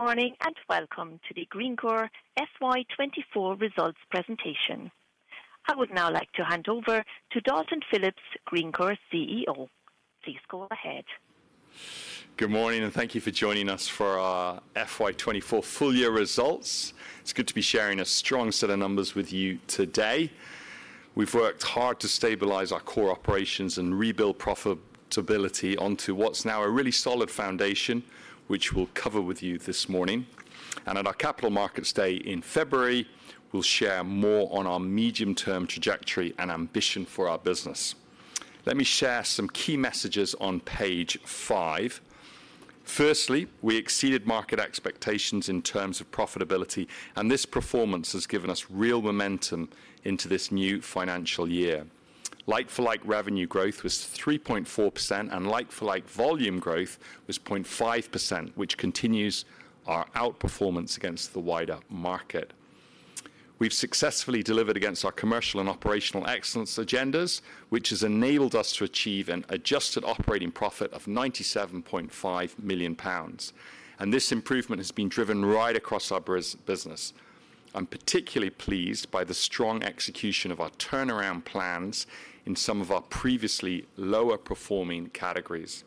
Good morning and welcome to the Greencore FY 2024 Results Presentation. I would now like to hand over to Dalton Philips, Greencore CEO. Please go ahead. Good morning and thank you for joining us for our FY 2024 full year results. It's good to be sharing a strong set of numbers with you today. We've worked hard to stabilize our core operations and rebuild profitability onto what's now a really solid foundation, which we'll cover with you this morning, and at our Capital Markets Day in February, we'll share more on our medium-term trajectory and ambition for our business. Let me share some key messages on page five. Firstly, we exceeded market expectations in terms of profitability, and this performance has given us real momentum into this new financial year. Like-for-like revenue growth was 3.4%, and like-for-like volume growth was 0.5%, which continues our outperformance against the wider market. We've successfully delivered against our commercial and operational excellence agendas, which has enabled us to achieve an adjusted operating profit of 97.5 million pounds. And this improvement has been driven right across our business. I'm particularly pleased by the strong execution of our turnaround plans in some of our previously lower-performing categories.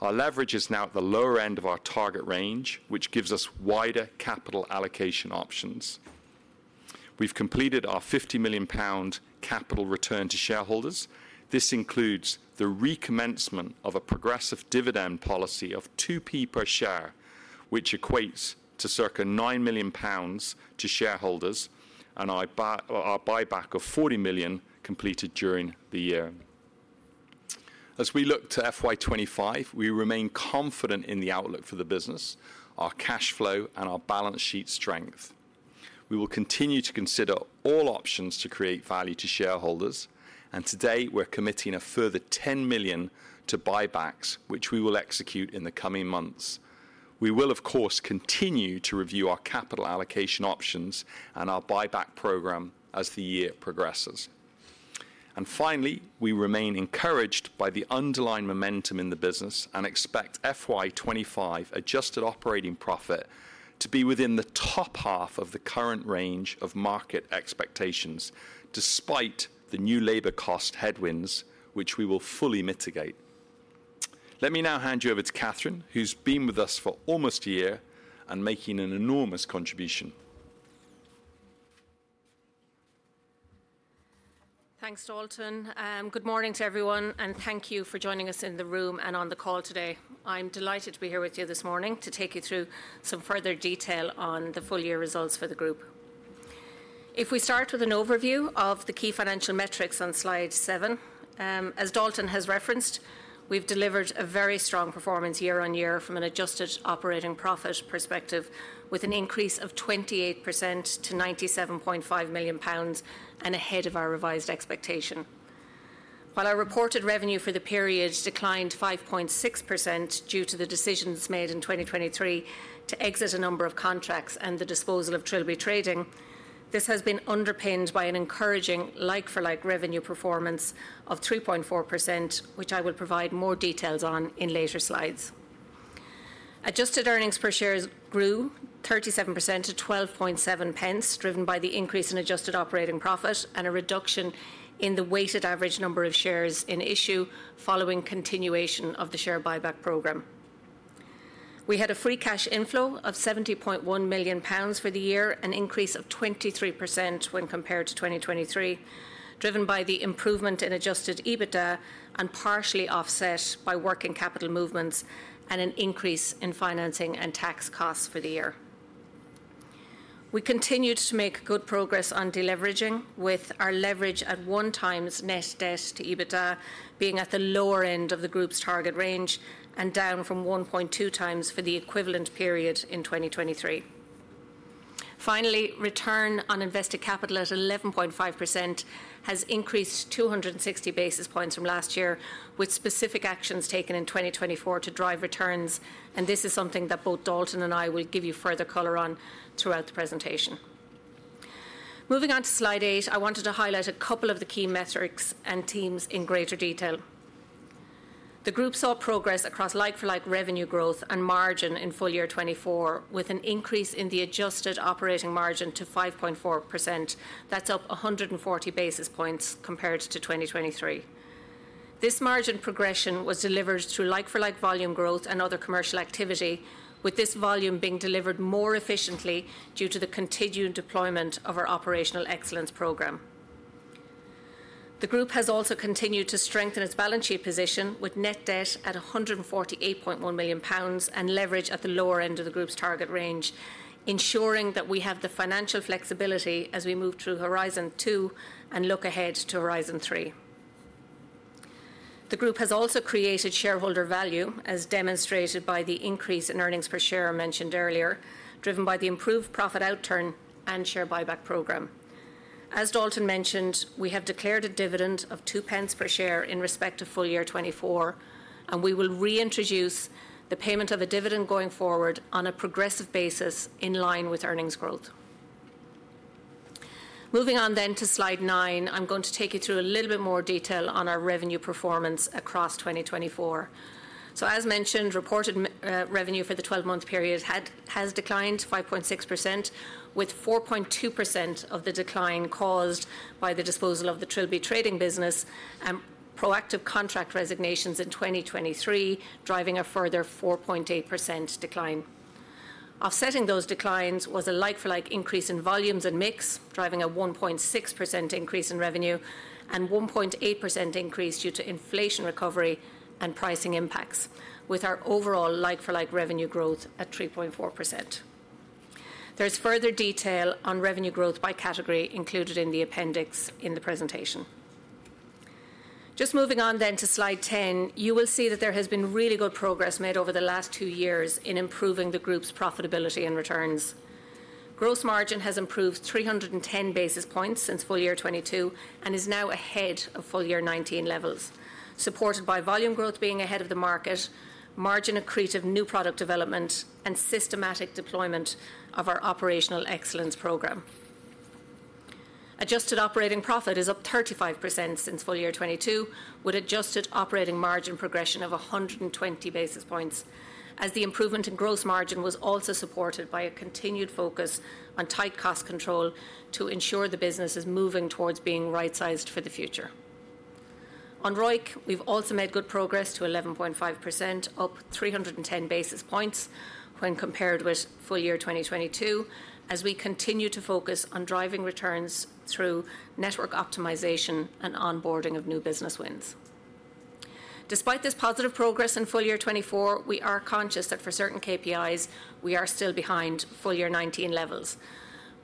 Our leverage is now at the lower end of our target range, which gives us wider capital allocation options. We've completed our 50 million pound capital return to shareholders. This includes the recommencement of a progressive dividend policy of 2p per share, which equates to circa 9 million pounds to shareholders, and our buyback of 40 million completed during the year. As we look to FY 2025, we remain confident in the outlook for the business, our cash flow, and our balance sheet strength. We will continue to consider all options to create value to shareholders, and today we're committing a further 10 million to buybacks, which we will execute in the coming months. We will, of course, continue to review our capital allocation options and our buyback program as the year progresses. And finally, we remain encouraged by the underlying momentum in the business and expect FY 2025 adjusted operating profit to be within the top half of the current range of market expectations, despite the new labor cost headwinds, which we will fully mitigate. Let me now hand you over to Catherine, who's been with us for almost a year and making an enormous contribution. Thanks, Dalton. Good morning to everyone, and thank you for joining us in the room and on the call today. I'm delighted to be here with you this morning to take you through some further detail on the full year results for the group. If we start with an overview of the key financial metrics on slide seven, as Dalton has referenced, we've delivered a very strong performance year on year from an adjusted operating profit perspective, with an increase of 28% to 97.5 million pounds and ahead of our revised expectation. While our reported revenue for the period declined 5.6% due to the decisions made in 2023 to exit a number of contracts and the disposal of Trilby Trading, this has been underpinned by an encouraging like-for-like revenue performance of 3.4%, which I will provide more details on in later slides. Adjusted earnings per share grew 37% to 12.7p, driven by the increase in adjusted operating profit and a reduction in the weighted average number of shares in issue following continuation of the share buyback program. We had a free cash inflow of 70.1 million pounds for the year, an increase of 23% when compared to 2023, driven by the improvement in adjusted EBITDA and partially offset by working capital movements and an increase in financing and tax costs for the year. We continued to make good progress on deleveraging, with our leverage at one times net debt to EBITDA being at the lower end of the group's target range and down from 1.2 times for the equivalent period in 2023. Finally, return on invested capital at 11.5% has increased 260 basis points from last year, with specific actions taken in 2024 to drive returns, and this is something that both Dalton and I will give you further color on throughout the presentation. Moving on to slide eight, I wanted to highlight a couple of the key metrics and themes in greater detail. The group saw progress across like-for-like revenue growth and margin in full year 2024, with an increase in the adjusted operating margin to 5.4%. That's up 140 basis points compared to 2023. This margin progression was delivered through like-for-like volume growth and other commercial activity, with this volume being delivered more efficiently due to the continued deployment of our operational excellence program. The group has also continued to strengthen its balance sheet position with net debt at 148.1 million pounds and leverage at the lower end of the group's target range, ensuring that we have the financial flexibility as we move through Horizon Two and look ahead to Horizon Three. The group has also created shareholder value, as demonstrated by the increase in earnings per share mentioned earlier, driven by the improved profit outturn and share buyback program. As Dalton mentioned, we have declared a dividend of 0.02 per share in respect of full year 2024, and we will reintroduce the payment of a dividend going forward on a progressive basis in line with earnings growth. Moving on then to slide nine, I'm going to take you through a little bit more detail on our revenue performance across 2024. So, as mentioned, reported revenue for the 12-month period has declined 5.6%, with 4.2% of the decline caused by the disposal of the Trilby Trading business and proactive contract resignations in 2023, driving a further 4.8% decline. Offsetting those declines was a like-for-like increase in volumes and mix, driving a 1.6% increase in revenue and 1.8% increase due to inflation recovery and pricing impacts, with our overall like-for-like revenue growth at 3.4%. There's further detail on revenue growth by category included in the appendix in the presentation. Just moving on then to slide 10, you will see that there has been really good progress made over the last two years in improving the group's profitability and returns. Gross margin has improved 310 basis points since full year 2022 and is now ahead of full year 2019 levels, supported by volume growth being ahead of the market, margin accretive new product development, and systematic deployment of our operational excellence program. Adjusted operating profit is up 35% since full year 2022, with adjusted operating margin progression of 120 basis points, as the improvement in gross margin was also supported by a continued focus on tight cost control to ensure the business is moving towards being right-sized for the future. On ROIC, we've also made good progress to 11.5%, up 310 basis points when compared with full year 2022, as we continue to focus on driving returns through network optimization and onboarding of new business wins. Despite this positive progress in full year 2024, we are conscious that for certain KPIs, we are still behind full year 2019 levels.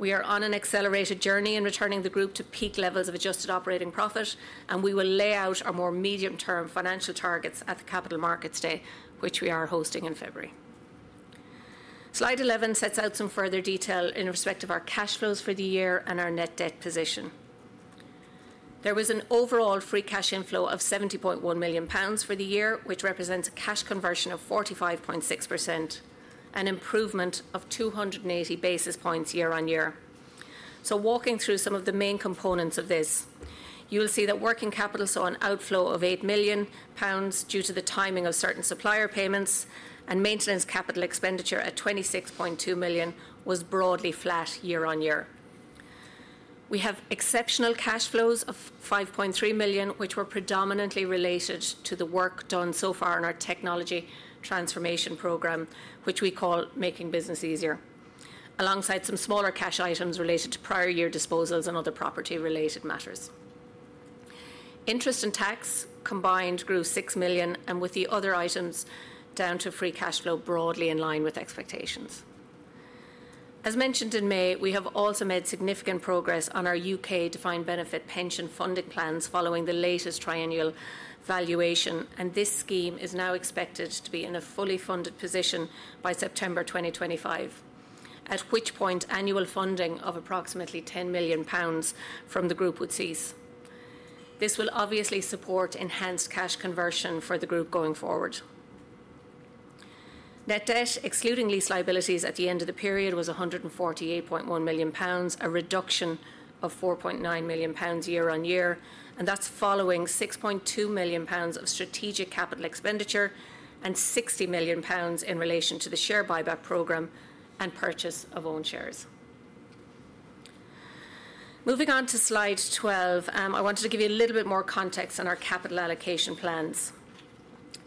We are on an accelerated journey in returning the group to peak levels of adjusted operating profit, and we will lay out our more medium-term financial targets at the Capital Markets Day, which we are hosting in February. Slide 11 sets out some further detail in respect of our cash flows for the year and our net debt position. There was an overall free cash inflow of GBP 70.1 million for the year, which represents a cash conversion of 45.6%, an improvement of 280 basis points year on year. So, walking through some of the main components of this, you will see that working capital saw an outflow of 8 million pounds due to the timing of certain supplier payments, and maintenance capital expenditure at 26.2 million was broadly flat year on year. We have exceptional cash flows of £5.3 million, which were predominantly related to the work done so far in our technology transformation program, which we call Making Business Easier, alongside some smaller cash items related to prior year disposals and other property-related matters. Interest and tax combined grew £6 million, and with the other items down to free cash flow broadly in line with expectations. As mentioned in May, we have also made significant progress on our U.K. defined benefit pension funding plans following the latest triennial valuation, and this scheme is now expected to be in a fully funded position by September 2025, at which point annual funding of approximately £10 million from the group would cease. This will obviously support enhanced cash conversion for the group going forward. Net debt excluding lease liabilities at the end of the period was 148.1 million pounds, a reduction of 4.9 million pounds year on year, and that's following 6.2 million pounds of strategic capital expenditure and 60 million pounds in relation to the share buyback program and purchase of own shares. Moving on to slide 12, I wanted to give you a little bit more context on our capital allocation plans.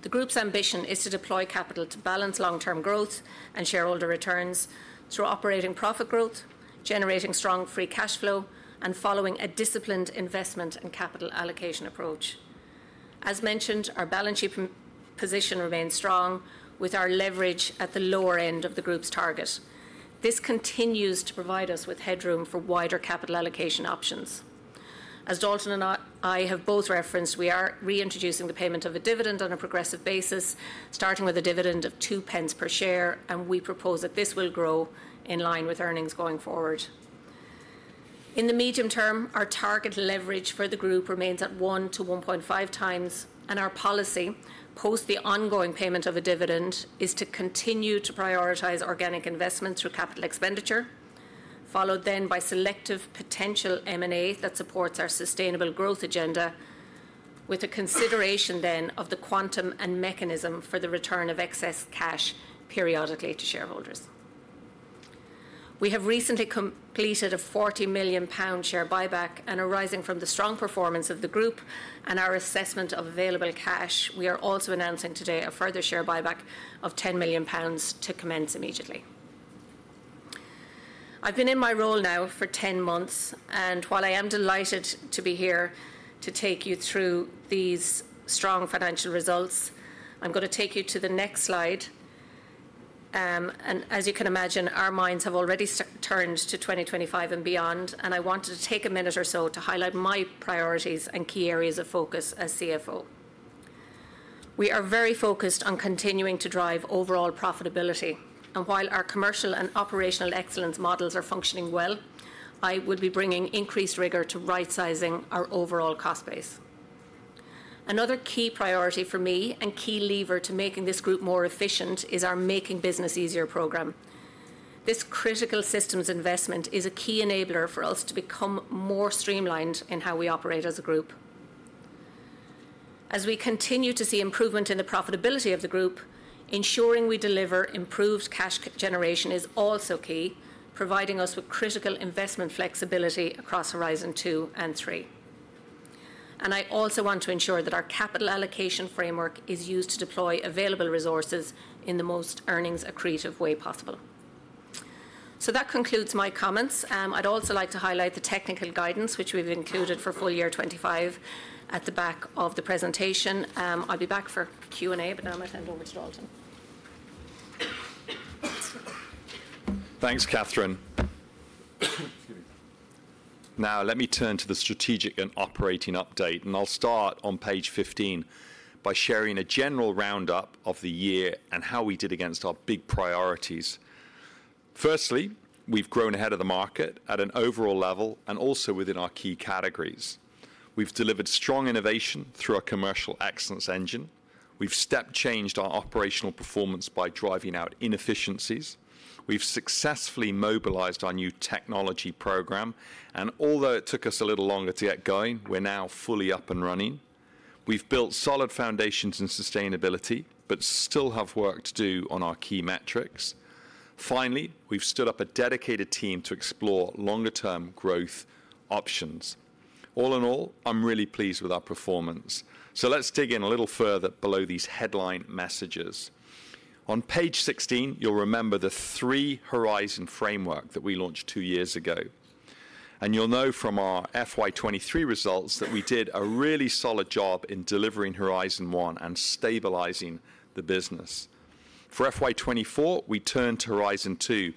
The group's ambition is to deploy capital to balance long-term growth and shareholder returns through operating profit growth, generating strong free cash flow, and following a disciplined investment and capital allocation approach. As mentioned, our balance sheet position remains strong with our leverage at the lower end of the group's target. This continues to provide us with headroom for wider capital allocation options. As Dalton and I have both referenced, we are reintroducing the payment of a dividend on a progressive basis, starting with a dividend of 0.02 per share, and we propose that this will grow in line with earnings going forward. In the medium term, our target leverage for the group remains at 1-1.5 times, and our policy post the ongoing payment of a dividend is to continue to prioritize organic investment through capital expenditure, followed then by selective potential M&A that supports our sustainable growth agenda, with a consideration then of the quantum and mechanism for the return of excess cash periodically to shareholders. We have recently completed a GBP 40 million share buyback, and arising from the strong performance of the group and our assessment of available cash, we are also announcing today a further share buyback of 10 million pounds to commence immediately. I've been in my role now for 10 months, and while I am delighted to be here to take you through these strong financial results, I'm going to take you to the next slide, and as you can imagine, our minds have already turned to 2025 and beyond, and I wanted to take a minute or so to highlight my priorities and key areas of focus as CFO. We are very focused on continuing to drive overall profitability, and while our commercial and operational excellence models are functioning well, I would be bringing increased rigor to right-sizing our overall cost base. Another key priority for me and key lever to making this group more efficient is our Making Business Easier program. This critical systems investment is a key enabler for us to become more streamlined in how we operate as a group. As we continue to see improvement in the profitability of the group, ensuring we deliver improved cash generation is also key, providing us with critical investment flexibility across Horizon Two and Three. And I also want to ensure that our capital allocation framework is used to deploy available resources in the most earnings-accretive way possible. So that concludes my comments. I'd also like to highlight the technical guidance, which we've included for full year 2025 at the back of the presentation. I'll be back for Q&A, but now I'm going to hand over to Dalton. Thanks, Catherine. Now, let me turn to the strategic and operating update, and I'll start on page 15 by sharing a general roundup of the year and how we did against our big priorities. Firstly, we've grown ahead of the market at an overall level and also within our key categories. We've delivered strong innovation through our commercial excellence engine. We've step-changed our operational performance by driving out inefficiencies. We've successfully mobilized our new technology program, and although it took us a little longer to get going, we're now fully up and running. We've built solid foundations in sustainability, but still have work to do on our key metrics. Finally, we've stood up a dedicated team to explore longer-term growth options. All in all, I'm really pleased with our performance. So let's dig in a little further below these headline messages. On page 16, you'll remember the three horizon framework that we launched two years ago, and you'll know from our FY 2023 results that we did a really solid job in delivering Horizon One and stabilizing the business. For FY 2024, we turned to Horizon Two,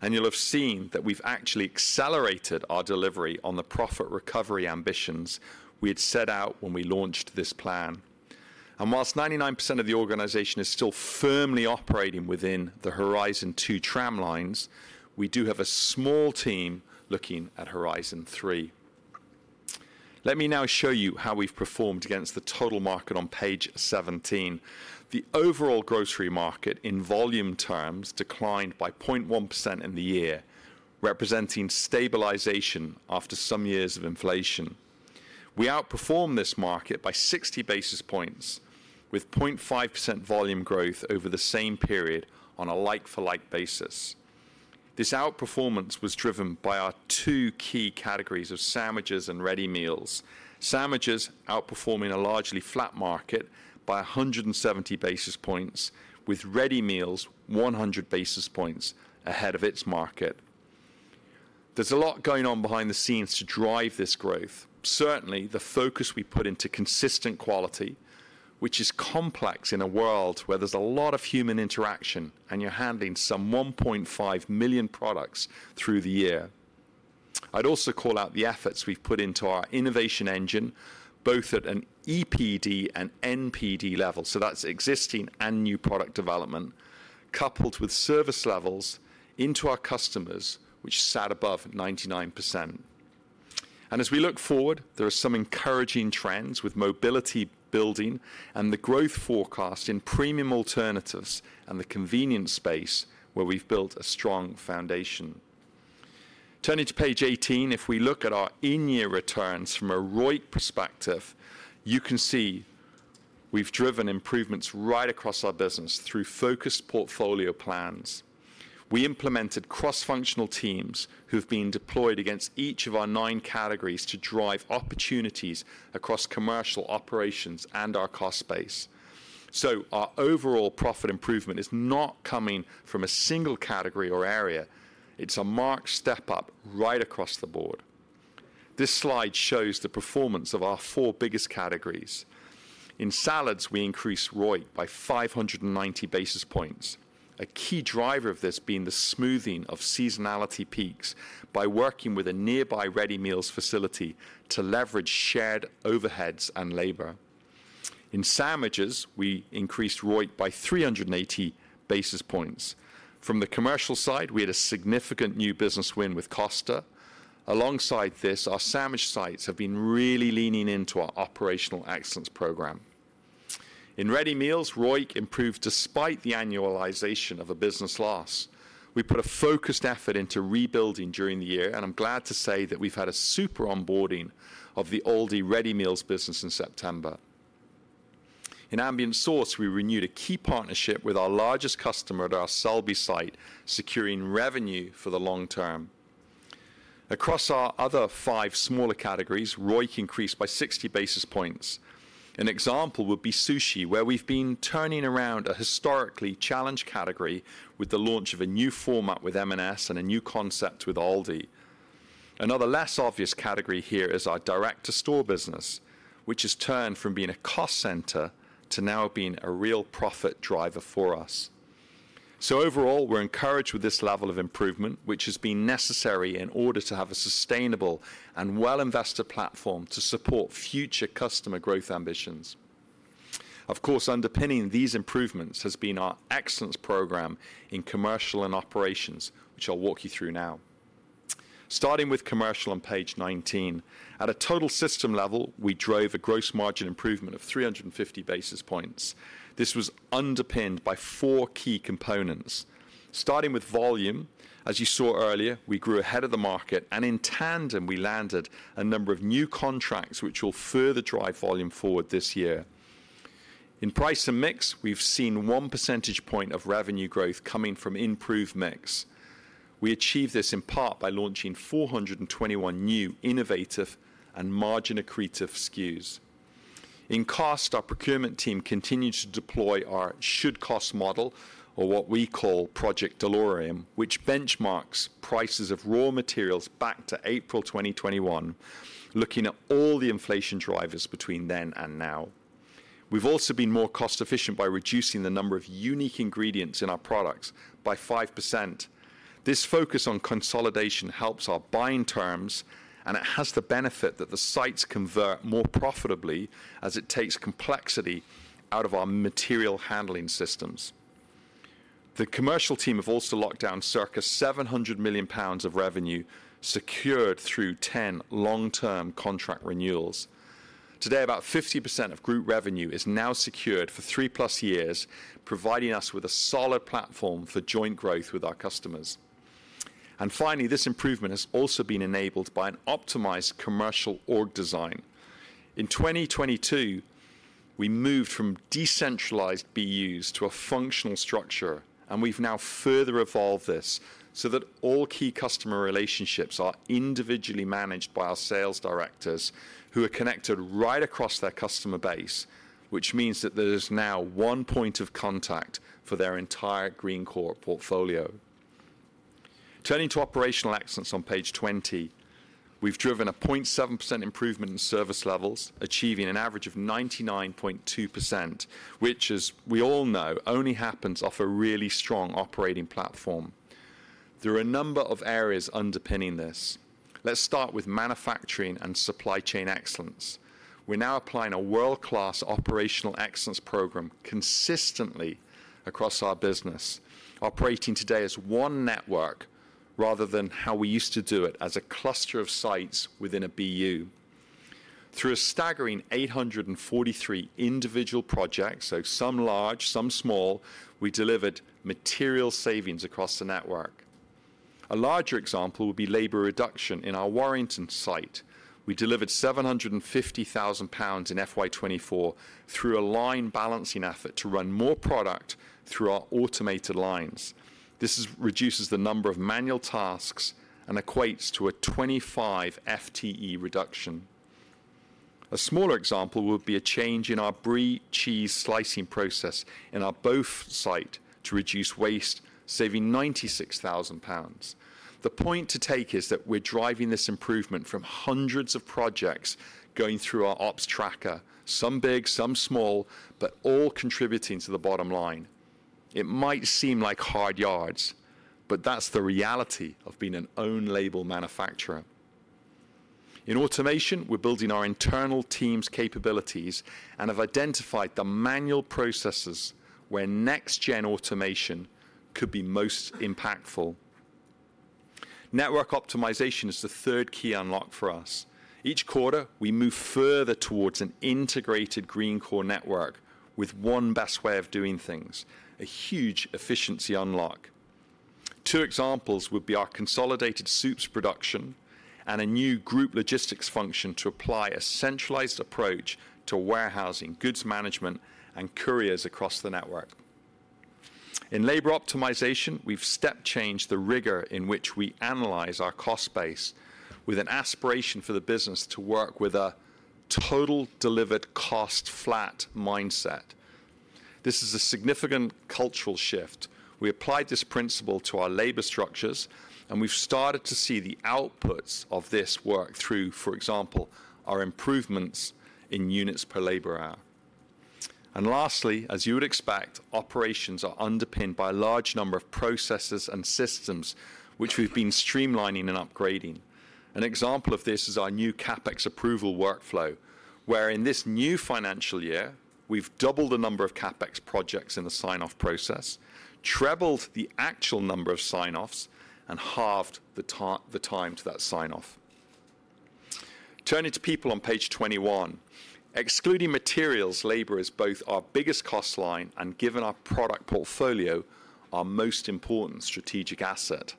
and you'll have seen that we've actually accelerated our delivery on the profit recovery ambitions we had set out when we launched this plan. And while 99% of the organization is still firmly operating within the Horizon Two tramlines, we do have a small team looking at Horizon Three. Let me now show you how we've performed against the total market on page 17. The overall grocery market in volume terms declined by 0.1% in the year, representing stabilization after some years of inflation. We outperformed this market by 60 basis points, with 0.5% volume growth over the same period on a like-for-like basis. This outperformance was driven by our two key categories of sandwiches and ready meals. Sandwiches outperforming a largely flat market by 170 basis points, with ready meals 100 basis points ahead of its market. There's a lot going on behind the scenes to drive this growth. Certainly, the focus we put into consistent quality, which is complex in a world where there's a lot of human interaction and you're handling some 1.5 million products through the year. I'd also call out the efforts we've put into our innovation engine, both at an EPD and NPD level. So that's existing and new product development, coupled with service levels into our customers, which sat above 99%. And as we look forward, there are some encouraging trends with mobility building and the growth forecast in premium alternatives and the convenience space where we've built a strong foundation. Turning to page 18, if we look at our in-year returns from a ROIC perspective, you can see we've driven improvements right across our business through focused portfolio plans. We implemented cross-functional teams who've been deployed against each of our nine categories to drive opportunities across commercial operations and our cost base. So our overall profit improvement is not coming from a single category or area. It's a marked step up right across the board. This slide shows the performance of our four biggest categories. In salads, we increased ROIC by 590 basis points, a key driver of this being the smoothing of seasonality peaks by working with a nearby ready meals facility to leverage shared overheads and labor. In sandwiches, we increased ROIC by 380 basis points. From the commercial side, we had a significant new business win with Costa. Alongside this, our sandwich sites have been really leaning into our operational excellence program. In ready meals, ROIC improved despite the annualization of a business loss. We put a focused effort into rebuilding during the year, and I'm glad to say that we've had a super onboarding of the Aldi ready meals business in September. In ambient sauces, we renewed a key partnership with our largest customer at our Selby site, securing revenue for the long term. Across our other five smaller categories, ROIC increased by 60 basis points. An example would be sushi, where we've been turning around a historically challenged category with the launch of a new format with M&S and a new concept with Aldi. Another less obvious category here is our direct-to-store business, which has turned from being a cost center to now being a real profit driver for us. So overall, we're encouraged with this level of improvement, which has been necessary in order to have a sustainable and well-invested platform to support future customer growth ambitions. Of course, underpinning these improvements has been our excellence program in commercial and operations, which I'll walk you through now. Starting with commercial on page 19, at a total system level, we drove a gross margin improvement of 350 basis points. This was underpinned by four key components. Starting with volume, as you saw earlier, we grew ahead of the market, and in tandem, we landed a number of new contracts, which will further drive volume forward this year. In price and mix, we've seen one percentage point of revenue growth coming from improved mix. We achieved this in part by launching 421 new innovative and margin-accretive SKUs. In cost, our procurement team continues to deploy our should-cost model, or what we call Project Delorean, which benchmarks prices of raw materials back to April 2021, looking at all the inflation drivers between then and now. We've also been more cost-efficient by reducing the number of unique ingredients in our products by 5%. This focus on consolidation helps our buying terms, and it has the benefit that the sites convert more profitably as it takes complexity out of our material handling systems. The commercial team have also locked down circa 700 million pounds of revenue secured through 10 long-term contract renewals. Today, about 50% of group revenue is now secured for three plus years, providing us with a solid platform for joint growth with our customers. And finally, this improvement has also been enabled by an optimized commercial org design. In 2022, we moved from decentralized BUs to a functional structure, and we've now further evolved this so that all key customer relationships are individually managed by our sales directors who are connected right across their customer base, which means that there's now one point of contact for their entire Greencore portfolio. Turning to operational excellence on page 20, we've driven a 0.7% improvement in service levels, achieving an average of 99.2%, which, as we all know, only happens off a really strong operating platform. There are a number of areas underpinning this. Let's start with manufacturing and supply chain excellence. We're now applying a world-class operational excellence program consistently across our business, operating today as one network rather than how we used to do it as a cluster of sites within a BU. Through a staggering 843 individual projects, so some large, some small, we delivered material savings across the network. A larger example would be labor reduction in our Warrington site. We delivered 750,000 pounds in FY 2024 through a line balancing effort to run more product through our automated lines. This reduces the number of manual tasks and equates to a 25 FTE reduction. A smaller example would be a change in our Brie cheese slicing process in our Bow site to reduce waste, saving 96,000 pounds. The point to take is that we're driving this improvement from hundreds of projects going through our ops tracker, some big, some small, but all contributing to the bottom line. It might seem like hard yards, but that's the reality of being an own-label manufacturer. In automation, we're building our internal team's capabilities and have identified the manual processes where next-gen automation could be most impactful. Network optimization is the third key unlock for us. Each quarter, we move further towards an integrated Greencore network with one best way of doing things, a huge efficiency unlock. Two examples would be our consolidated soups production and a new group logistics function to apply a centralized approach to warehousing, goods management, and couriers across the network. In labor optimization, we've step-changed the rigor in which we analyze our cost base with an aspiration for the business to work with a total delivered cost flat mindset. This is a significant cultural shift. We applied this principle to our labor structures, and we've started to see the outputs of this work through, for example, our improvements in units per labor hour, and lastly, as you would expect, operations are underpinned by a large number of processes and systems, which we've been streamlining and upgrading. An example of this is our new CapEx approval workflow, where in this new financial year, we've doubled the number of CapEx projects in the sign-off process, trebled the actual number of sign-offs, and halved the time to that sign-off. Turning to people on page 21, excluding materials, labor is both our biggest cost line and, given our product portfolio, our most important strategic asset.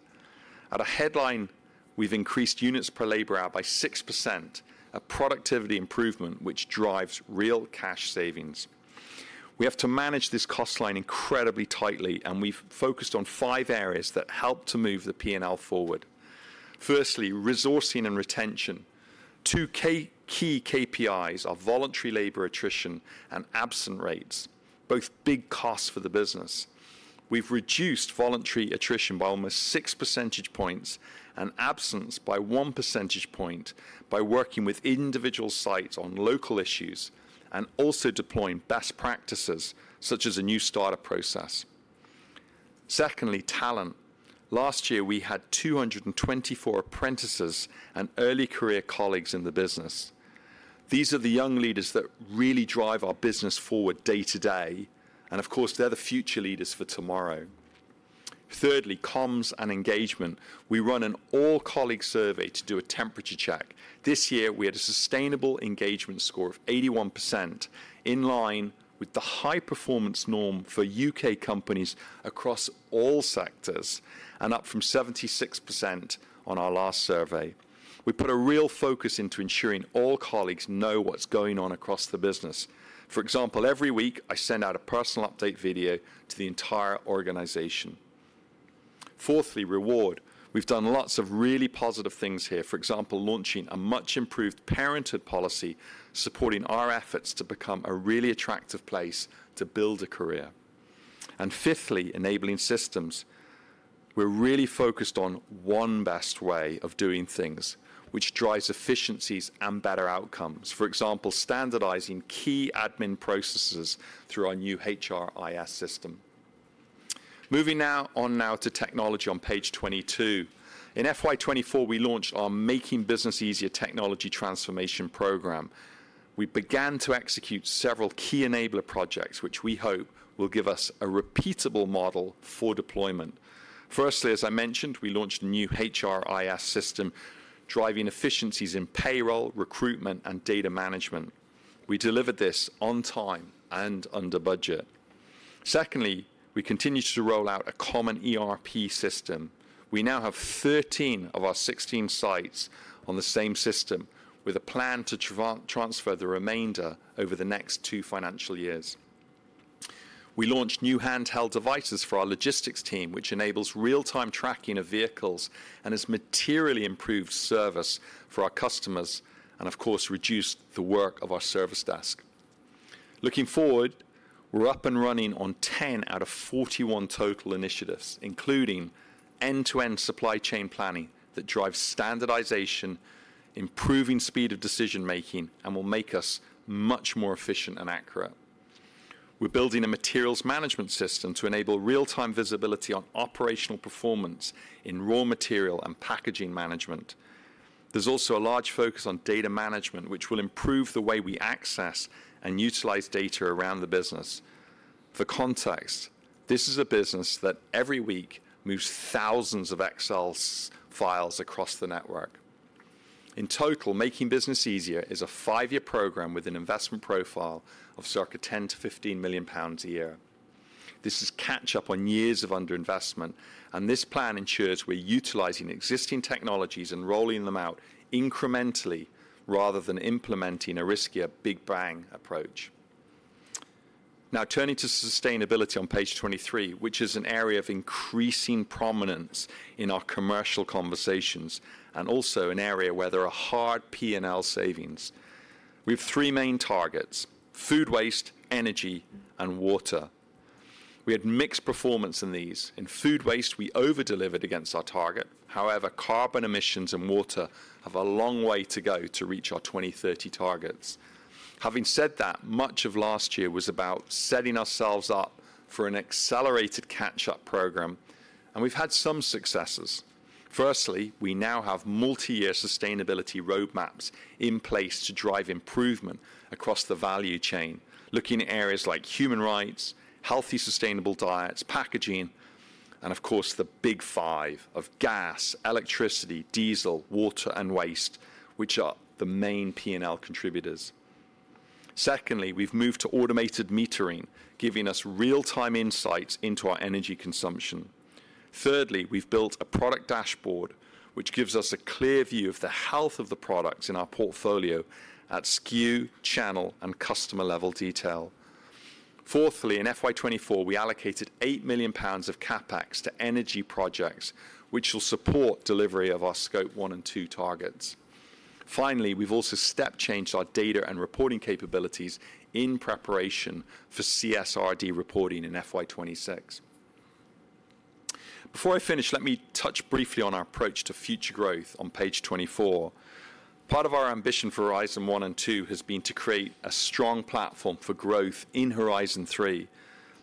At a headline, we've increased units per labor hour by 6%, a productivity improvement which drives real cash savings. We have to manage this cost line incredibly tightly, and we've focused on five areas that help to move the P&L forward. Firstly, resourcing and retention. Two key KPIs are voluntary labor attrition and absent rates, both big costs for the business. We've reduced voluntary attrition by almost six percentage points and absence by one percentage point by working with individual sites on local issues and also deploying best practices such as a new starter process. Secondly, talent. Last year, we had 224 apprentices and early career colleagues in the business. These are the young leaders that really drive our business forward day to day, and of course, they're the future leaders for tomorrow. Thirdly, comms and engagement. We run an all-colleague survey to do a temperature check. This year, we had a sustainable engagement score of 81% in line with the high-performance norm for U.K. companies across all sectors and up from 76% on our last survey. We put a real focus into ensuring all colleagues know what's going on across the business. For example, every week, I send out a personal update video to the entire organization. Fourthly, reward. We've done lots of really positive things here, for example, launching a much-improved parenthood policy supporting our efforts to become a really attractive place to build a career. And fifthly, enabling systems. We're really focused on one best way of doing things, which drives efficiencies and better outcomes. For example, standardizing key admin processes through our new HRIS system. Moving now on to technology on page 22. In FY 2024, we launched our Making Business Easier Technology Transformation Program. We began to execute several key enabler projects, which we hope will give us a repeatable model for deployment. Firstly, as I mentioned, we launched a new HRIS system driving efficiencies in payroll, recruitment, and data management. We delivered this on time and under budget. Secondly, we continue to roll out a common ERP system. We now have 13 of our 16 sites on the same system, with a plan to transfer the remainder over the next two financial years. We launched new handheld devices for our logistics team, which enables real-time tracking of vehicles and has materially improved service for our customers and, of course, reduced the work of our service desk. Looking forward, we're up and running on 10 out of 41 total initiatives, including end-to-end supply chain planning that drives standardization, improving speed of decision-making, and will make us much more efficient and accurate. We're building a materials management system to enable real-time visibility on operational performance in raw material and packaging management. There's also a large focus on data management, which will improve the way we access and utilize data around the business. For context, this is a business that every week moves thousands of Excel files across the network. In total, Making Business Easier is a five-year program with an investment profile of circa 10-15 million pounds a year. This is catch-up on years of underinvestment, and this plan ensures we're utilizing existing technologies and rolling them out incrementally rather than implementing a riskier big bang approach. Now, turning to sustainability on page 23, which is an area of increasing prominence in our commercial conversations and also an area where there are hard P&L savings. We have three main targets: food waste, energy, and water. We had mixed performance in these. In food waste, we over-delivered against our target. However, carbon emissions and water have a long way to go to reach our 2030 targets. Having said that, much of last year was about setting ourselves up for an accelerated catch-up program, and we've had some successes. Firstly, we now have multi-year sustainability roadmaps in place to drive improvement across the value chain, looking at areas like human rights, healthy sustainable diets, packaging, and, of course, the big five of gas, electricity, diesel, water, and waste, which are the main P&L contributors. Secondly, we've moved to automated metering, giving us real-time insights into our energy consumption. Thirdly, we've built a product dashboard, which gives us a clear view of the health of the products in our portfolio at SKU, channel, and customer-level detail. Fourthly, in FY 2024, we allocated 8 million pounds of CapEx to energy projects, which will support delivery of our Scope 1 and 2 targets. Finally, we've also step-changed our data and reporting capabilities in preparation for CSRD reporting in FY 2026. Before I finish, let me touch briefly on our approach to future growth on page 24. Part of our ambition for Horizon One and Two has been to create a strong platform for growth in Horizon Three.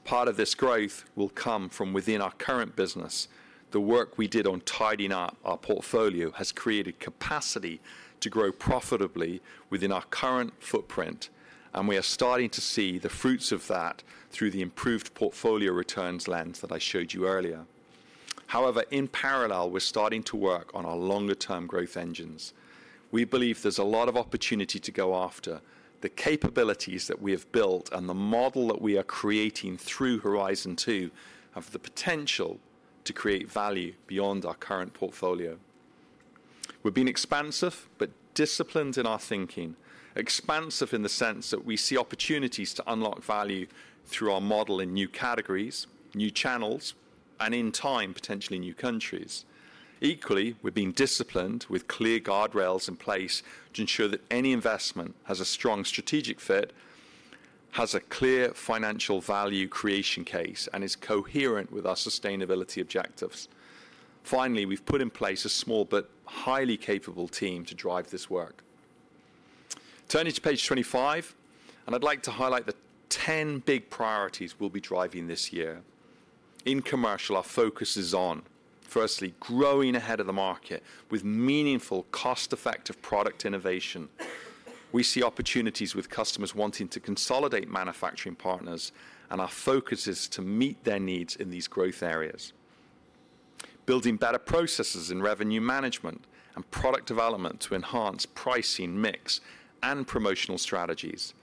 Part of this growth will come from within our current business. The work we did on tidying up our portfolio has created capacity to grow profitably within our current footprint, and we are starting to see the fruits of that through the improved portfolio returns lens that I showed you earlier. However, in parallel, we're starting to work on our longer-term growth engines. We believe there's a lot of opportunity to go after. The capabilities that we have built and the model that we are creating through Horizon Two have the potential to create value beyond our current portfolio. We've been expansive but disciplined in our thinking. Expansive in the sense that we see opportunities to unlock value through our model in new categories, new channels, and in time, potentially new countries. Equally, we've been disciplined with clear guardrails in place to ensure that any investment has a strong strategic fit, has a clear financial value creation case, and is coherent with our sustainability objectives. Finally, we've put in place a small but highly capable team to drive this work. Turning to page 25, and I'd like to highlight the 10 big priorities we'll be driving this year. In commercial, our focus is on, firstly, growing ahead of the market with meaningful cost-effective product innovation. We see opportunities with customers wanting to consolidate manufacturing partners, and our focus is to meet their needs in these growth areas. Building better processes in revenue management and product development to enhance pricing mix and promotional strategies.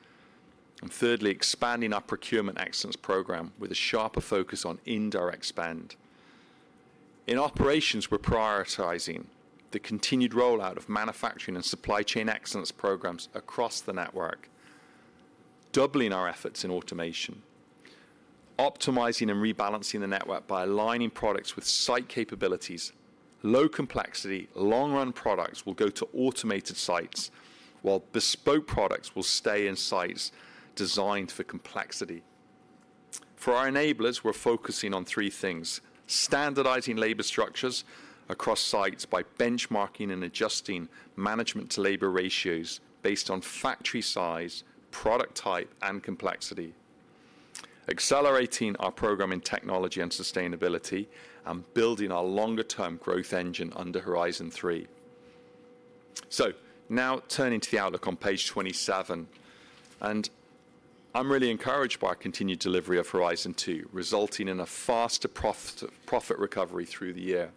Thirdly, expanding our procurement excellence program with a sharper focus on indirect spend. In operations, we're prioritizing the continued rollout of manufacturing and supply chain excellence programs across the network, doubling our efforts in automation, optimizing and rebalancing the network by aligning products with site capabilities. Low-complexity, long-run products will go to automated sites, while bespoke products will stay in sites designed for complexity. For our enablers, we're focusing on three things: standardizing labor structures across sites by benchmarking and adjusting management to labor ratios based on factory size, product type, and complexity. Accelerating our program in technology and sustainability. And building our longer-term growth engine under Horizon Three. Now, turning to the outlook on page 27, and I'm really encouraged by our continued delivery of Horizon Two, resulting in a faster profit recovery through the year.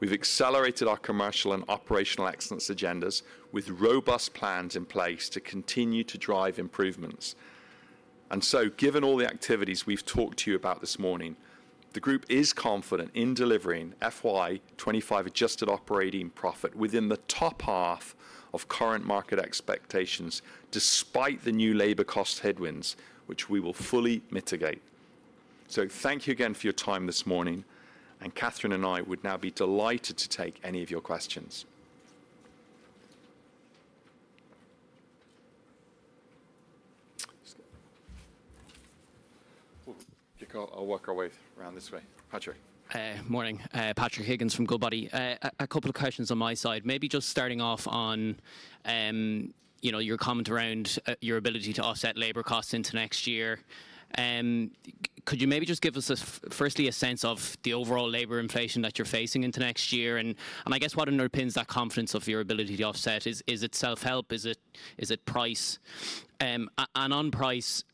We've accelerated our commercial and operational excellence agendas with robust plans in place to continue to drive improvements. And so, given all the activities we've talked to you about this morning, the group is confident in delivering FY 2025 Adjusted operating profit within the top half of current market expectations despite the new labor cost headwinds, which we will fully mitigate. So thank you again for your time this morning, and Catherine and I would now be delighted to take any of your questions. I'll walk our way around this way. Patrick. Morning. Patrick Higgins from Goodbody. A couple of questions on my side. Maybe just starting off on your comment around your ability to offset labor costs into next year. Could you maybe just give us, firstly, a sense of the overall labor inflation that you're facing into next year? I guess what underpins that confidence of your ability to offset? Is it self-help? Is it price? And on price,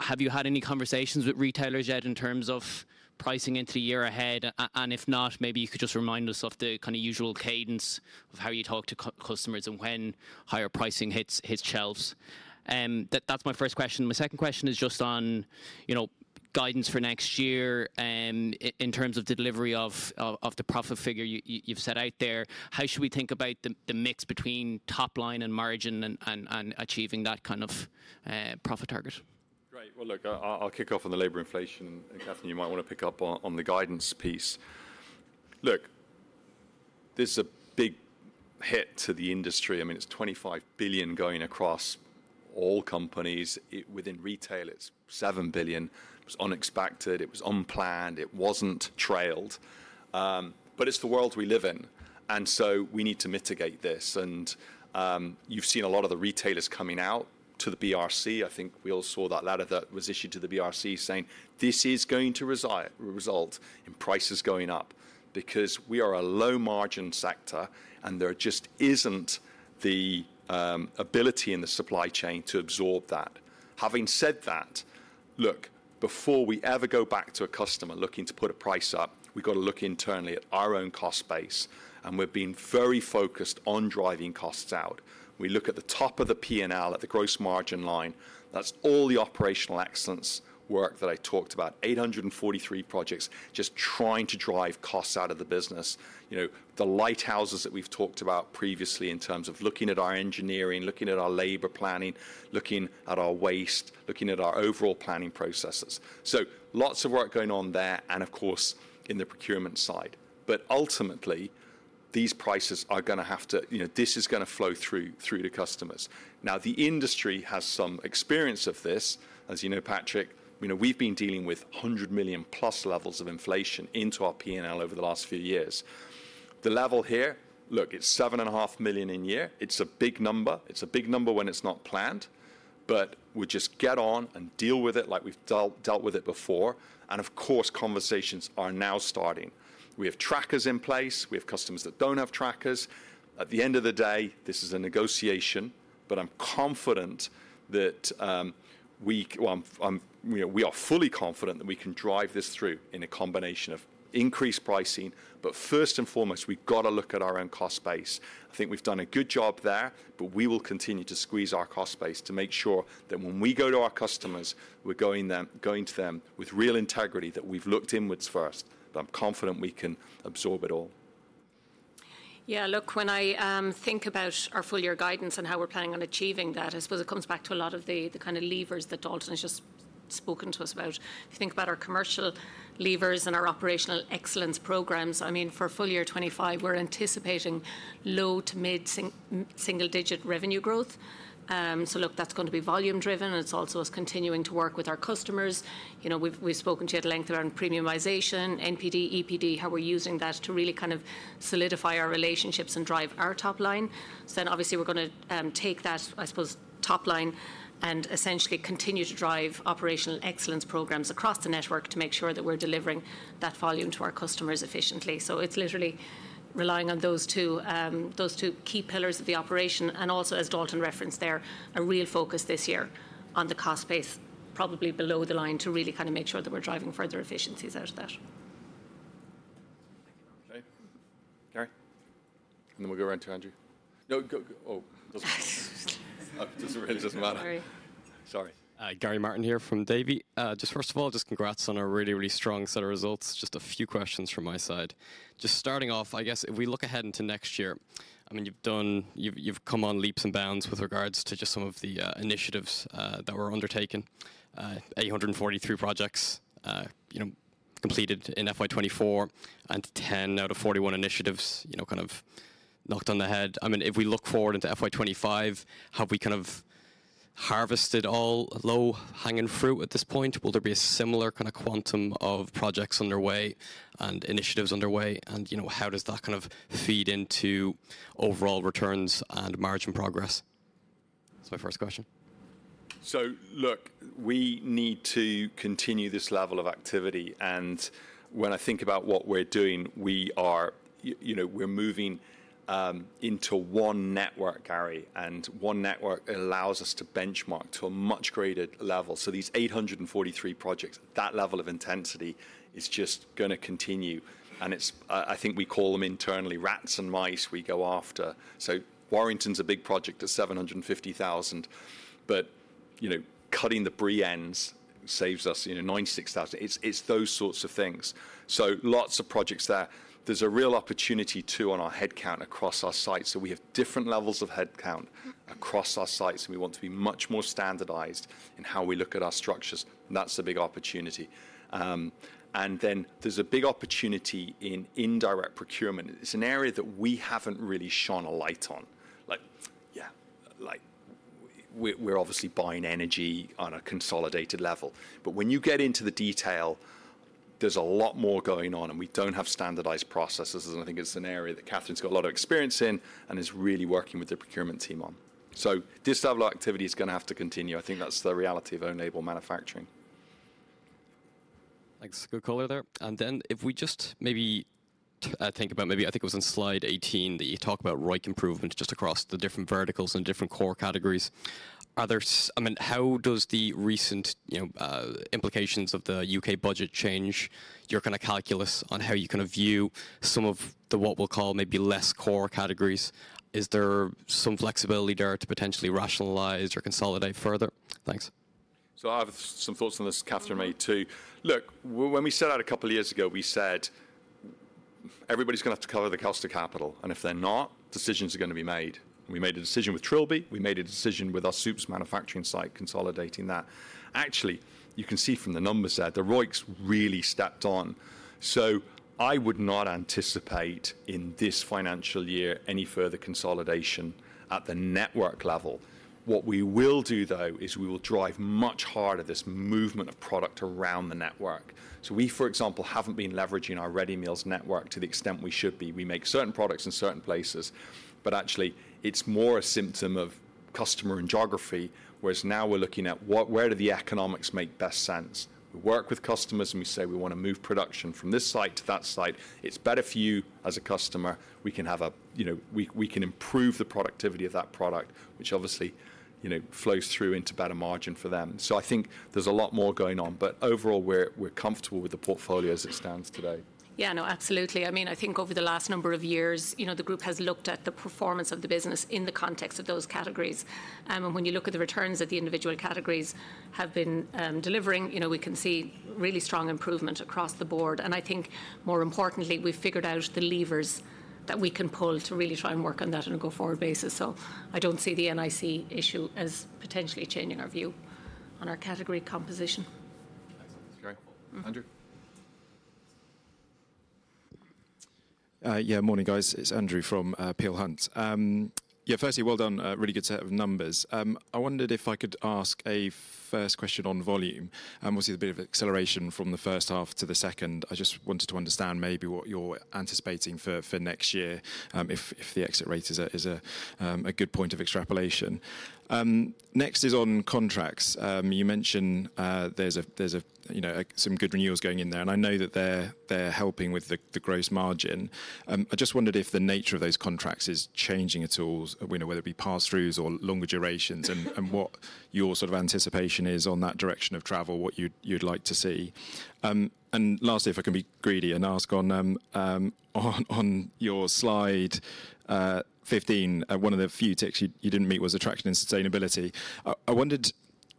have you had any conversations with retailers yet in terms of pricing into the year ahead? And if not, maybe you could just remind us of the kind of usual cadence of how you talk to customers and when higher pricing hits shelves. That's my first question. My second question is just on guidance for next year in terms of the delivery of the profit figure you've set out there. How should we think about the mix between top line and margin and achieving that kind of profit target? Great. Well, look, I'll kick off on the labor inflation, and Catherine, you might want to pick up on the guidance piece. Look, this is a big hit to the industry. I mean, it's 2.5 billion going across all companies. Within retail, it's 7 billion. It was unexpected. It was unplanned. It wasn't trailed. But it's the world we live in, and so we need to mitigate this. And you've seen a lot of the retailers coming out to the BRC. I think we all saw that letter that was issued to the BRC saying this is going to result in prices going up because we are a low-margin sector, and there just isn't the ability in the supply chain to absorb that. Having said that, look, before we ever go back to a customer looking to put a price up, we've got to look internally at our own cost base, and we've been very focused on driving costs out. We look at the top of the P&L, at the gross margin line. That's all the operational excellence work that I talked about: 843 projects just trying to drive costs out of the business. The lighthouses that we've talked about previously in terms of looking at our engineering, looking at our labor planning, looking at our waste, looking at our overall planning processes. So lots of work going on there, and of course, in the procurement side. But ultimately, these prices are going to have to, this is going to flow through the customers. Now, the industry has some experience of this. As you know, Patrick, we've been dealing with 100 million-plus levels of inflation into our P&L over the last few years. The level here, look, it's 7.5 million in a year. It's a big number. It's a big number when it's not planned, but we just get on and deal with it like we've dealt with it before. Of course, conversations are now starting. We have trackers in place. We have customers that don't have trackers. At the end of the day, this is a negotiation, but I'm confident that we are fully confident that we can drive this through in a combination of increased pricing, but first and foremost, we've got to look at our own cost base. I think we've done a good job there, but we will continue to squeeze our cost base to make sure that when we go to our customers, we're going to them with real integrity, that we've looked inwards first, that I'm confident we can absorb it all. Yeah. Look, when I think about our full-year guidance and how we're planning on achieving that, I suppose it comes back to a lot of the kind of levers that Dalton has just spoken to us about. If you think about our commercial levers and our operational excellence programs, I mean, for full-year 2025, we're anticipating low- to mid-single-digit revenue growth. So look, that's going to be volume-driven, and it's also us continuing to work with our customers. We've spoken to you at length around premiumization, NPD, EPD, how we're using that to really kind of solidify our relationships and drive our top line. So then, obviously, we're going to take that, I suppose, top line and essentially continue to drive operational excellence programs across the network to make sure that we're delivering that volume to our customers efficiently. So it's literally relying on those two key pillars of the operation. And also, as Dalton referenced, there are real focus this year on the cost base, probably below the line to really kind of make sure that we're driving further efficiencies out of that. Gary. And then we'll go around to Andrew. No. Oh, doesn't really matter. Sorry. Gary Martin here from Davy. Just first of all, just congrats on a really, really strong set of results. Just a few questions from my side. Just starting off, I guess, if we look ahead into next year, I mean, you've come on leaps and bounds with regards to just some of the initiatives that were undertaken, 843 projects completed in FY 2024 and 10 out of 41 initiatives kind of knocked on the head. I mean, if we look forward into FY 2025, have we kind of harvested all low-hanging fruit at this point? Will there be a similar kind of quantum of projects underway and initiatives underway? And how does that kind of feed into overall returns and margin progress? That's my first question. So look, we need to continue this level of activity. When I think about what we're doing, we're moving into one network, Gary, and one network allows us to benchmark to a much greater level. So these 843 projects, that level of intensity is just going to continue. And I think we call them internally rats and mice we go after. So Warrington's a big project at 750,000, but cutting the Brie ends saves us 96,000. It's those sorts of things. So lots of projects there. There's a real opportunity too on our headcount across our sites. So we have different levels of headcount across our sites, and we want to be much more standardized in how we look at our structures. That's a big opportunity. And then there's a big opportunity in indirect procurement. It's an area that we haven't really shone a light on. Yeah. We're obviously buying energy on a consolidated level. But when you get into the detail, there's a lot more going on, and we don't have standardized processes. And I think it's an area that Catherine's got a lot of experience in and is really working with the procurement team on. So this level of activity is going to have to continue. I think that's the reality of own-label manufacturing. Thanks, next caller there. And then if we just maybe think about maybe I think it was on slide 18 that you talk about price improvements just across the different verticals and different core categories. I mean, how does the recent implications of the U.K. budget change your kind of calculus on how you kind of view some of the what we'll call maybe less core categories? Is there some flexibility there to potentially rationalize or consolidate further? Thanks. So I have some thoughts on this, Catherine, me too. Look, when we set out a couple of years ago, we said everybody's going to have to cover the cost of capital. And if they're not, decisions are going to be made. We made a decision with Trilby. We made a decision with our soups manufacturing site consolidating that. Actually, you can see from the numbers there, the ROIC really stepped on. So I would not anticipate in this financial year any further consolidation at the network level. What we will do, though, is we will drive much harder this movement of product around the network. So we, for example, haven't been leveraging our ready meals network to the extent we should be. We make certain products in certain places, but actually, it's more a symptom of customer and geography, whereas now we're looking at where do the economics make best sense. We work with customers, and we say we want to move production from this site to that site. It's better for you as a customer. We can improve the productivity of that product, which obviously flows through into better margin for them. So I think there's a lot more going on, but overall, we're comfortable with the portfolio as it stands today. Yeah, no, absolutely. I mean, I think over the last number of years, the group has looked at the performance of the business in the context of those categories. And when you look at the returns that the individual categories have been delivering, we can see really strong improvement across the board. And I think, more importantly, we've figured out the levers that we can pull to really try and work on that on a go-forward basis. So, I don't see the NIC issue as potentially changing our view on our category composition. That's very helpful. Andrew. morning, guys. It's Andrew from Peel Hunt. Yeah, firstly, well done. Really good set of numbers. I wondered if I could ask a first question on volume. Obviously, there's a bit of acceleration from the first half to the second. I just wanted to understand maybe what you're anticipating for next year if the exit rate is a good point of extrapolation. Next is on contracts. You mentioned there's some good renewals going in there, and I know that they're helping with the gross margin. I just wondered if the nature of those contracts is changing at all, whether it be pass-throughs or longer durations, and what your sort of anticipation is on that direction of travel, what you'd like to see. And lastly, if I can be greedy and ask on your slide 15, one of the few ticks you didn't meet was attraction and sustainability. I wondered,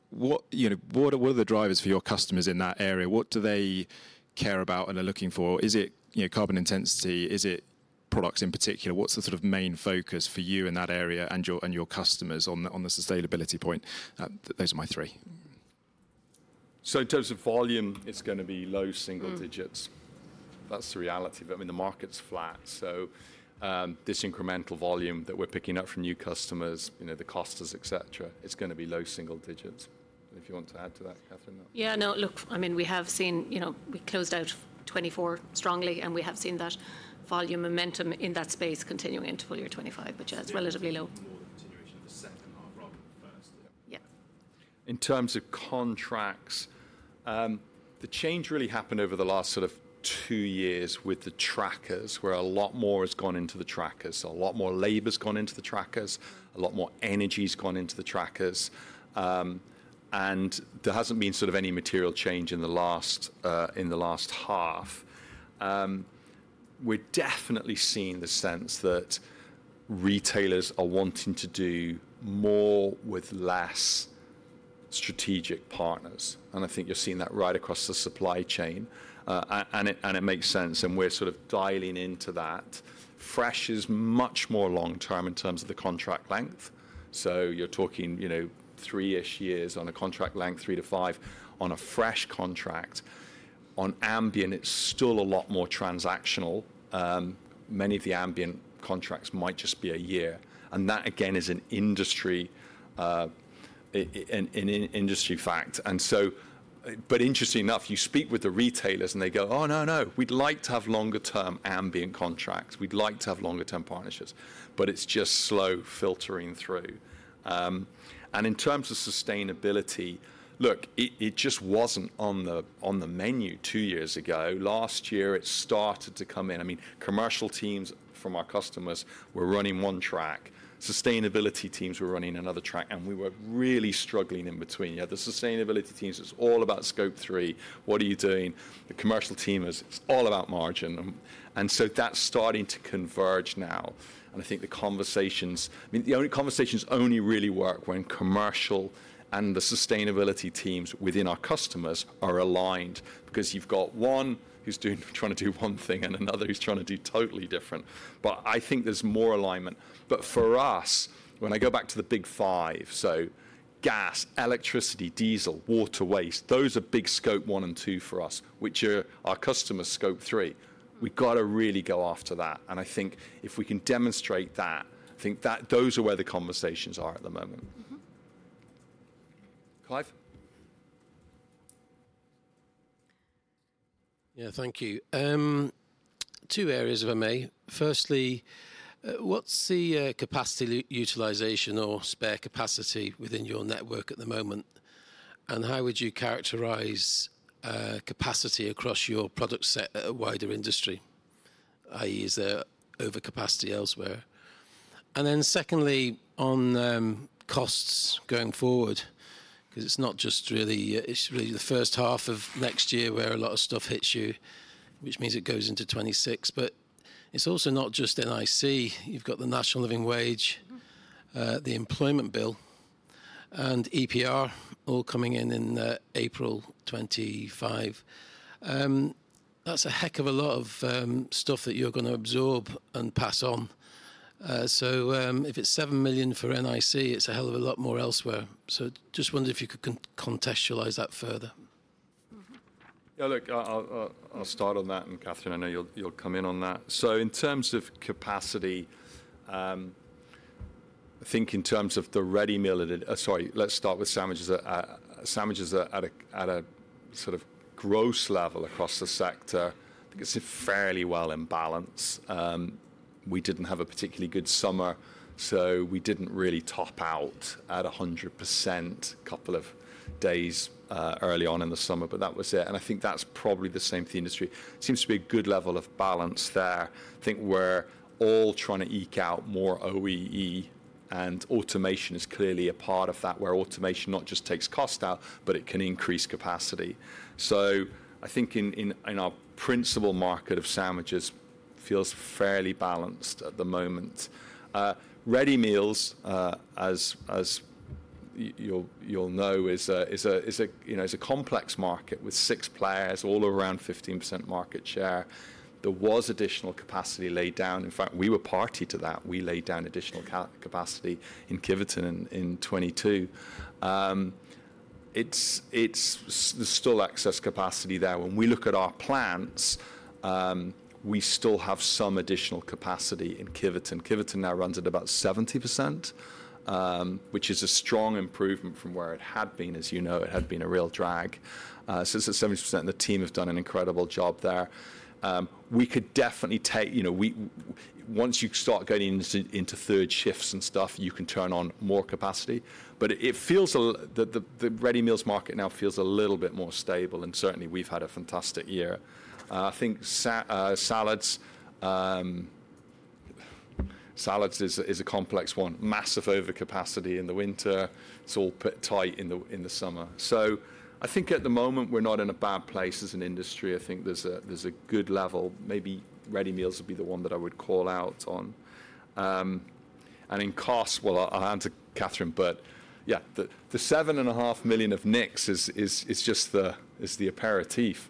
what are the drivers for your customers in that area? What do they care about and are looking for? Is it carbon intensity? Is it products in particular? What's the sort of main focus for you in that area and your customers on the sustainability point? Those are my three. So in terms of volume, it's going to be low single digits. That's the reality. But I mean, the market's flat. So this incremental volume that we're picking up from new customers, the costs, etc., it's going to be low single digits. And if you want to add to that, Catherine, that. Yeah, no, look, I mean, we have seen we closed out 2024 strongly, and we have seen that volume momentum in that space continuing into 2025, which is relatively low. It's more the continuation of the second half rather than the first. Yeah. In terms of contracts, the change really happened over the last sort of two years with the trackers, where a lot more has gone into the trackers. A lot more labor's gone into the trackers. A lot more energy's gone into the trackers. And there hasn't been sort of any material change in the last half. We're definitely seeing the sense that retailers are wanting to do more with less strategic partners. And I think you're seeing that right across the supply chain. And it makes sense. And we're sort of dialing into that. Fresh is much more long-term in terms of the contract length. So you're talking three-ish years on a contract length, three to five on a fresh contract. On ambient, it's still a lot more transactional. Many of the ambient contracts might just be a year. And that, again, is an industry fact. And so, but interesting enough, you speak with the retailers, and they go, "Oh, no, no. We'd like to have longer-term ambient contracts. We'd like to have longer-term partnerships." But it's just slow filtering through. And in terms of sustainability, look, it just wasn't on the menu two years ago. Last year, it started to come in. I mean, commercial teams from our customers were running one track. Sustainability teams were running another track. And we were really struggling in between. Yeah, the sustainability teams, it's all about Scope 3. What are you doing? The commercial teams, it's all about margin. And so that's starting to converge now. And I think the conversations, I mean, the only conversations only really work when commercial and the sustainability teams within our customers are aligned because you've got one who's trying to do one thing and another who's trying to do totally different. But I think there's more alignment. But for us, when I go back to the big five, so gas, electricity, diesel, water, waste, those are big Scope 1 and 2 for us, which are our customers' Scope 3. We've got to really go after that. And I think if we can demonstrate that, I think those are where the conversations are at the moment. Clive Yeah, thank you. Two areas of M&A. Firstly, what's the capacity utilization or spare capacity within your network at the moment? And how would you characterize capacity across your product set at a wider industry? i.e., is there overcapacity elsewhere? And then secondly, on costs going forward, because it's not just really, it's really the first half of next year where a lot of stuff hits you, which means it goes into 2026. But it's also not just NIC. You've got the National Living Wage, the Employment Bill, and EPR all coming in in April 2025. That's a heck of a lot of stuff that you're going to absorb and pass on. So if it's 7 million for NIC, it's a hell of a lot more elsewhere. So just wondered if you could contextualize that further. Yeah, look, I'll start on that, and Catherine, I know you'll come in on that. So in terms of capacity, I think in terms of the ready meal, sorry, let's start with sandwiches, sandwiches at a sort of gross level across the sector, I think it's fairly well in balance. We didn't have a particularly good summer, so we didn't really top out at 100% a couple of days early on in the summer, but that was it, and I think that's probably the same for the industry. Seems to be a good level of balance there. I think we're all trying to eke out more OEE, and automation is clearly a part of that, where automation not just takes cost out, but it can increase capacity. So I think in our principal market of sandwiches, it feels fairly balanced at the moment. Ready meals, as you'll know, is a complex market with six players all around 15% market share. There was additional capacity laid down. In fact, we were party to that. We laid down additional capacity in Kiveton in 2022. It's still excess capacity there. When we look at our plants, we still have some additional capacity in Kiveton. Kiveton now runs at about 70%, which is a strong improvement from where it had been. As you know, it had been a real drag. So it's at 70%, and the team have done an incredible job there. We could definitely take. Once you start going into third shifts and stuff, you can turn on more capacity. But it feels that the ready meals market now feels a little bit more stable, and certainly, we've had a fantastic year. I think salads is a complex one. Massive overcapacity in the winter. It's all put tight in the summer. So I think at the moment, we're not in a bad place as an industry. I think there's a good level. Maybe ready meals would be the one that I would call out on. In cost, well, I'll answer Catherine, but yeah, the £7.5 million of NICs is just the aperitif.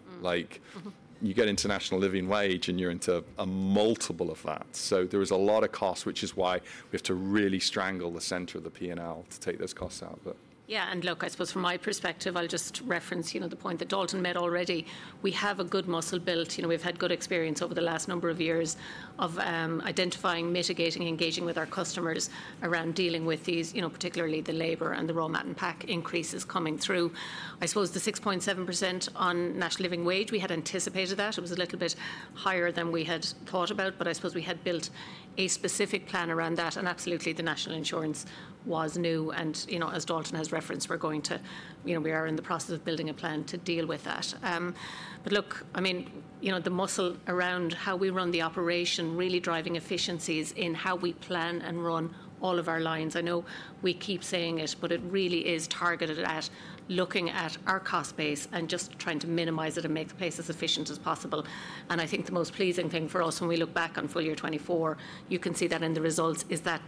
You get National Living Wage, and you're into a multiple of that. So there is a lot of cost, which is why we have to really strangle the center of the P&L to take those costs out. Yeah. Look, I suppose from my perspective, I'll just reference the point that Dalton made already. We have a good muscle built. We've had good experience over the last number of years of identifying, mitigating, and engaging with our customers around dealing with these, particularly the labor and the raw mat and pack increases coming through. I suppose the 6.7% on National Living Wage, we had anticipated that. It was a little bit higher than we had thought about, but I suppose we had built a specific plan around that. Absolutely, the National Insurance was new. As Dalton has referenced, we are in the process of building a plan to deal with that. Look, I mean, the muscle around how we run the operation, really driving efficiencies in how we plan and run all of our lines. I know we keep saying it, but it really is targeted at looking at our cost base and just trying to minimize it and make the place as efficient as possible. I think the most pleasing thing for us, when we look back on full year 2024, you can see that in the results, is that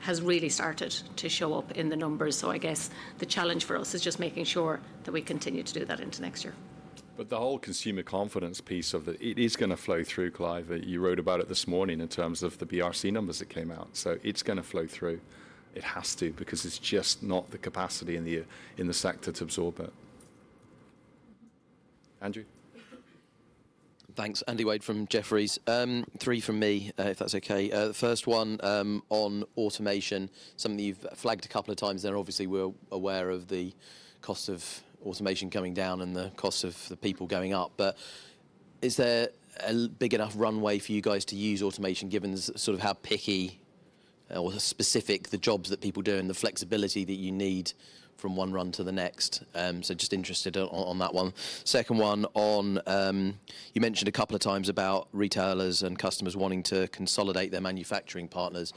has really started to show up in the numbers. I guess the challenge for us is just making sure that we continue to do that into next year. But the whole consumer confidence piece of it is going to flow through, Clive. You wrote about it this morning in terms of the BRC numbers that came out. So it's going to flow through. It has to because it's just not the capacity in the sector to absorb it. Andrew. Thanks. Andy Wade from Jefferies. Three from me, if that's okay. The first one on automation, something you've flagged a couple of times there. Obviously, we're aware of the cost of automation coming down and the cost of the people going up. But is there a big enough runway for you guys to use automation given sort of how picky or specific the jobs that people do and the flexibility that you need from one run to the next? So just interested on that one. Second one on, you mentioned a couple of times about retailers and customers wanting to consolidate their manufacturing partners.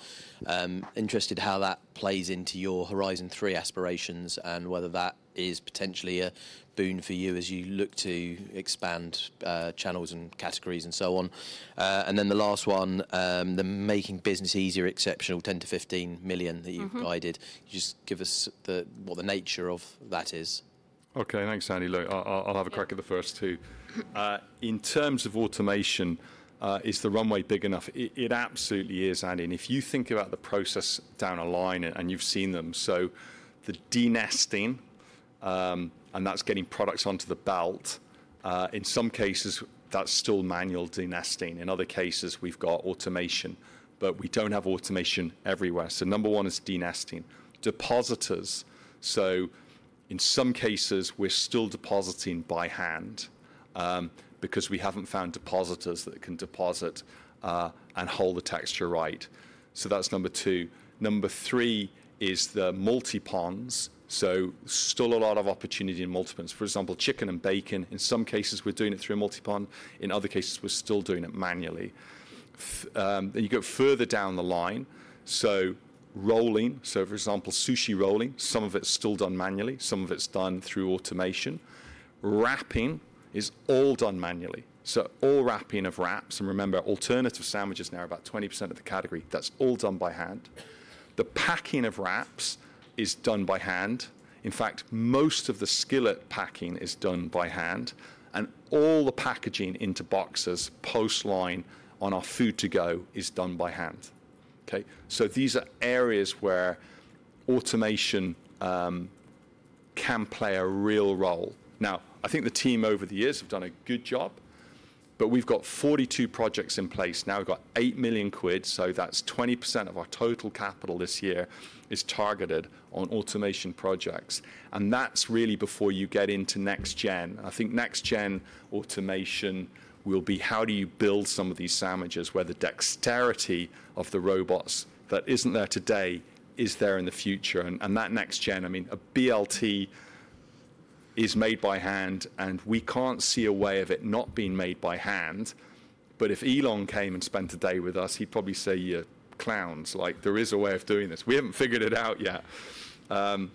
Interested how that plays into your Horizon 3 aspirations and whether that is potentially a boon for you as you look to expand channels and categories and so on? And then the last one, the Making Business Easier, exceptional 10- 15 million that you've guided. Just give us what the nature of that is. Okay. Thanks, Andy. Look, I'll have a crack at the first two. In terms of automation, is the runway big enough? It absolutely is, Andy. And if you think about the process down a line and you've seen them, so the denesting, and that's getting products onto the belt. In some cases, that's still manual denesting. In other cases, we've got automation, but we don't have automation everywhere. So number one is denesting. Depositors. So in some cases, we're still depositing by hand because we haven't found depositors that can deposit and hold the texture right. So that's number two. Number three is the Multiponds. So still a lot of opportunity in Multiponds. For example, chicken and bacon. In some cases, we're doing it through a Multipond. In other cases, we're still doing it manually. Then you go further down the line. So rolling. So for example, sushi rolling, some of it's still done manually. Some of it's done through automation. Wrapping is all done manually. So all wrapping of wraps. And remember, alternative sandwiches now are about 20% of the category. That's all done by hand. The packing of wraps is done by hand. In fact, most of the skillet packing is done by hand. And all the packaging into boxes postline on our food to go is done by hand. Okay. These are areas where automation can play a real role. I think the team over the years have done a good job, but we've got 42 projects in place. We've got 8 million quid. That's 20% of our total capital this year is targeted on automation projects. That's really before you get into next gen. I think next gen automation will be how do you build some of these sandwiches where the dexterity of the robots that isn't there today is there in the future. That next gen, I mean, a BLT is made by hand, and we can't see a way of it not being made by hand. If Elon came and spent a day with us, he'd probably say, "You're clowns. There is a way of doing this. We haven't figured it out yet."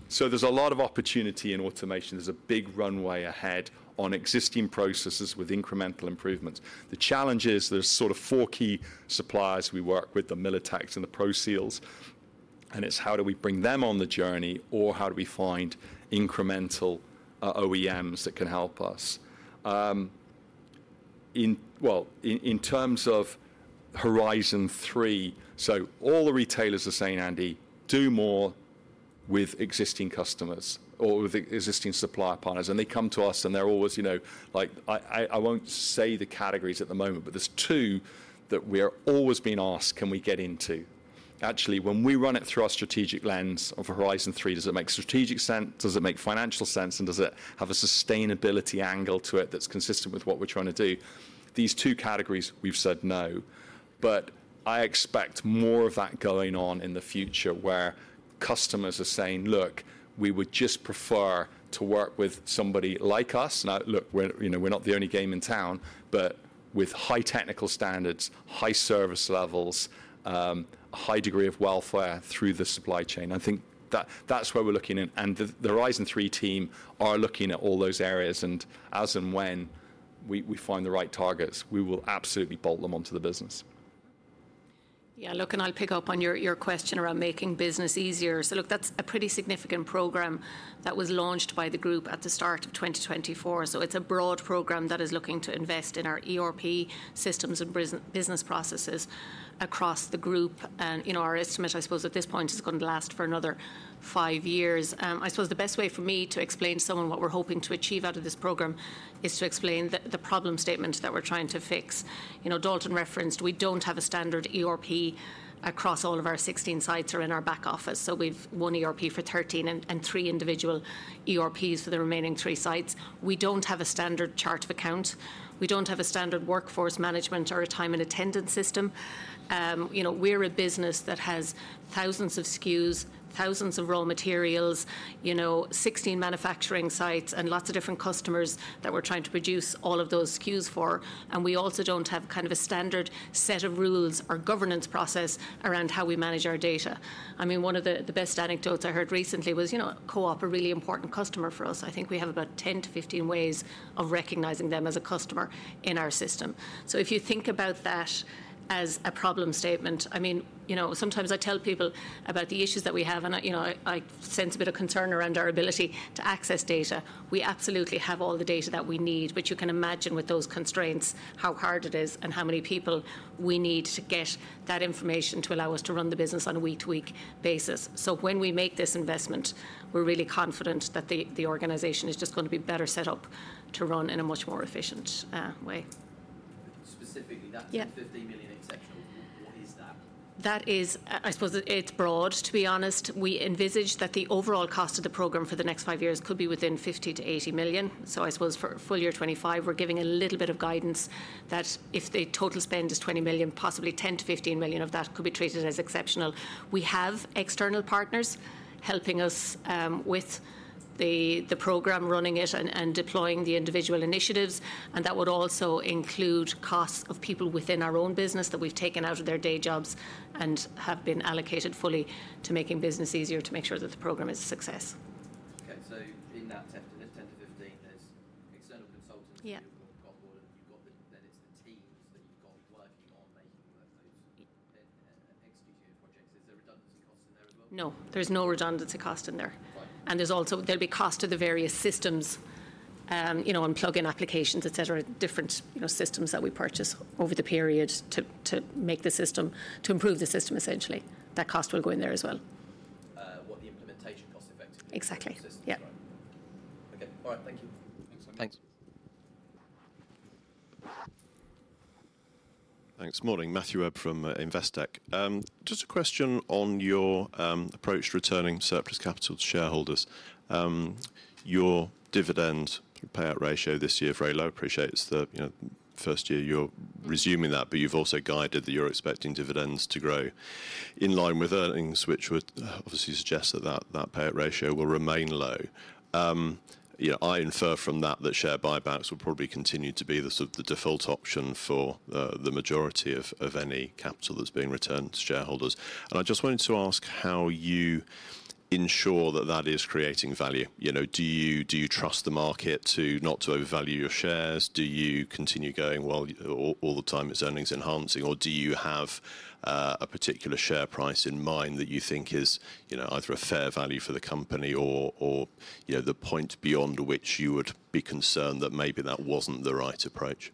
So there's a lot of opportunity in automation. There's a big runway ahead on existing processes with incremental improvements. The challenge is there's sort of four key suppliers we work with, the Millitec and the Proseal. And it's how do we bring them on the journey or how do we find incremental OEMs that can help us? Well, in terms of Horizon 3, so all the retailers are saying, "Andy, do more with existing customers or with existing supplier partners." And they come to us, and they're always like, "I won't say the categories at the moment, but there's two that we are always being asked, can we get into?" Actually, when we run it through our strategic lens of Horizon 3, does it make strategic sense? Does it make financial sense? And does it have a sustainability angle to it that's consistent with what we're trying to do? These two categories, we've said no. But I expect more of that going on in the future where customers are saying, "Look, we would just prefer to work with somebody like us." Now, look, we're not the only game in town, but with high technical standards, high service levels, a high degree of welfare through the supply chain. I think that's where we're looking in. And the Horizon 3 team are looking at all those areas. And as and when we find the right targets, we will absolutely bolt them onto the business. Yeah. Look, and I'll pick up on your question around Making Business Easier. So look, that's a pretty significant program that was launched by the group at the start of 2024. It's a broad program that is looking to invest in our ERP systems and business processes across the group. Our estimate, I suppose, at this point is going to last for another five years. I suppose the best way for me to explain to someone what we're hoping to achieve out of this program is to explain the problem statement that we're trying to fix. Dalton referenced we don't have a standard ERP across all of our 16 sites or in our back office. We've one ERP for 13 and three individual ERPs for the remaining three sites. We don't have a standard chart of accounts. We don't have a standard workforce management or a time and attendance system. We're a business that has thousands of SKUs, thousands of raw materials, 16 manufacturing sites, and lots of different customers that we're trying to produce all of those SKUs for. And we also don't have kind of a standard set of rules or governance process around how we manage our data. I mean, one of the best anecdotes I heard recently was Co-op, a really important customer for us. I think we have about 10-15 ways of recognizing them as a customer in our system. So if you think about that as a problem statement, I mean, sometimes I tell people about the issues that we have, and I sense a bit of concern around our ability to access data. We absolutely have all the data that we need, but you can imagine with those constraints how hard it is and how many people we need to get that information to allow us to run the business on a week-to-week basis. So when we make this investment, we're really confident that the organization is just going to be better set up to run in a much more efficient way. Specifically, that 15 million exception, what is that? That is, I suppose it's broad, to be honest. We envisage that the overall cost of the program for the next five years could be within 50 million to 80 million. So I suppose for full year 2025, we're giving a little bit of guidance that if the total spend is 20 million, possibly 10 million to 15 million of that could be treated as exceptional. We have external partners helping us with the program, running it, and deploying the individual initiatives, and that would also include costs of people within our own business that we've taken out of their day jobs and have been allocated fully to Making Business Easier to make sure that the program is a success. Okay. So in that 10-15, there's external consultants that you've got across the board, and then it's the teams that you've got working on making workflows and executing projects. Is there redundancy costs in there as well? No. There's no redundancy cost in there, and there'll be cost to the various systems and plug-in applications, etc., different systems that we purchase over the period to improve the system, essentially. That cost will go in there as well. What the implementation cost effectively consists of, right? Exactly. Yeah. Okay. All right. Thank you. Thanks so much. Thanks. Thanks. Morning. Matthew Webb from Investec. Just a question on your approach to returning surplus capital to shareholders. Your dividend payout ratio this year is very low. Appreciate it's the first year you're resuming that, but you've also guided that you're expecting dividends to grow in line with earnings, which would obviously suggest that that payout ratio will remain low. I infer from that that share buybacks will probably continue to be the default option for the majority of any capital that's being returned to shareholders. And I just wanted to ask how you ensure that that is creating value. Do you trust the market to not overvalue your shares? Do you continue going, "Well, all the time it's earnings enhancing," or do you have a particular share price in mind that you think is either a fair value for the company or the point beyond which you would be concerned that maybe that wasn't the right approach?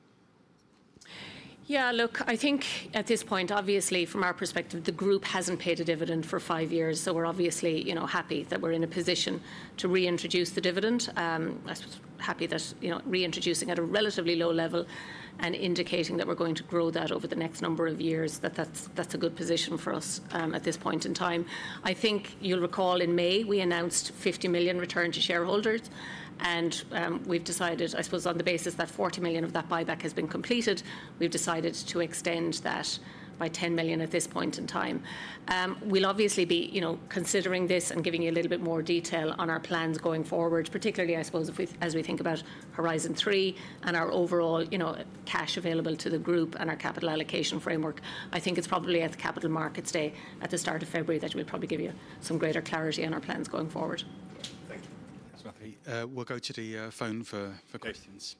Yeah. Look, I think at this point, obviously, from our perspective, the group hasn't paid a dividend for five years. So we're obviously happy that we're in a position to reintroduce the dividend. I was happy that reintroducing at a relatively low level and indicating that we're going to grow that over the next number of years, that that's a good position for us at this point in time. I think you'll recall in May, we announced 50 million returned to shareholders. And we've decided, I suppose, on the basis that 40 million of that buyback has been completed, we've decided to extend that by 10 million at this point in time. We'll obviously be considering this and giving you a little bit more detail on our plans going forward, particularly, I suppose, as we think about Horizon 3 and our overall cash available to the group and our capital allocation framework. I think it's probably at the Capital Markets Day at the start of February that we'll probably give you some greater clarity on our plans going forward. Thank you. Thanks, Matthew. We'll go to the phone for questions.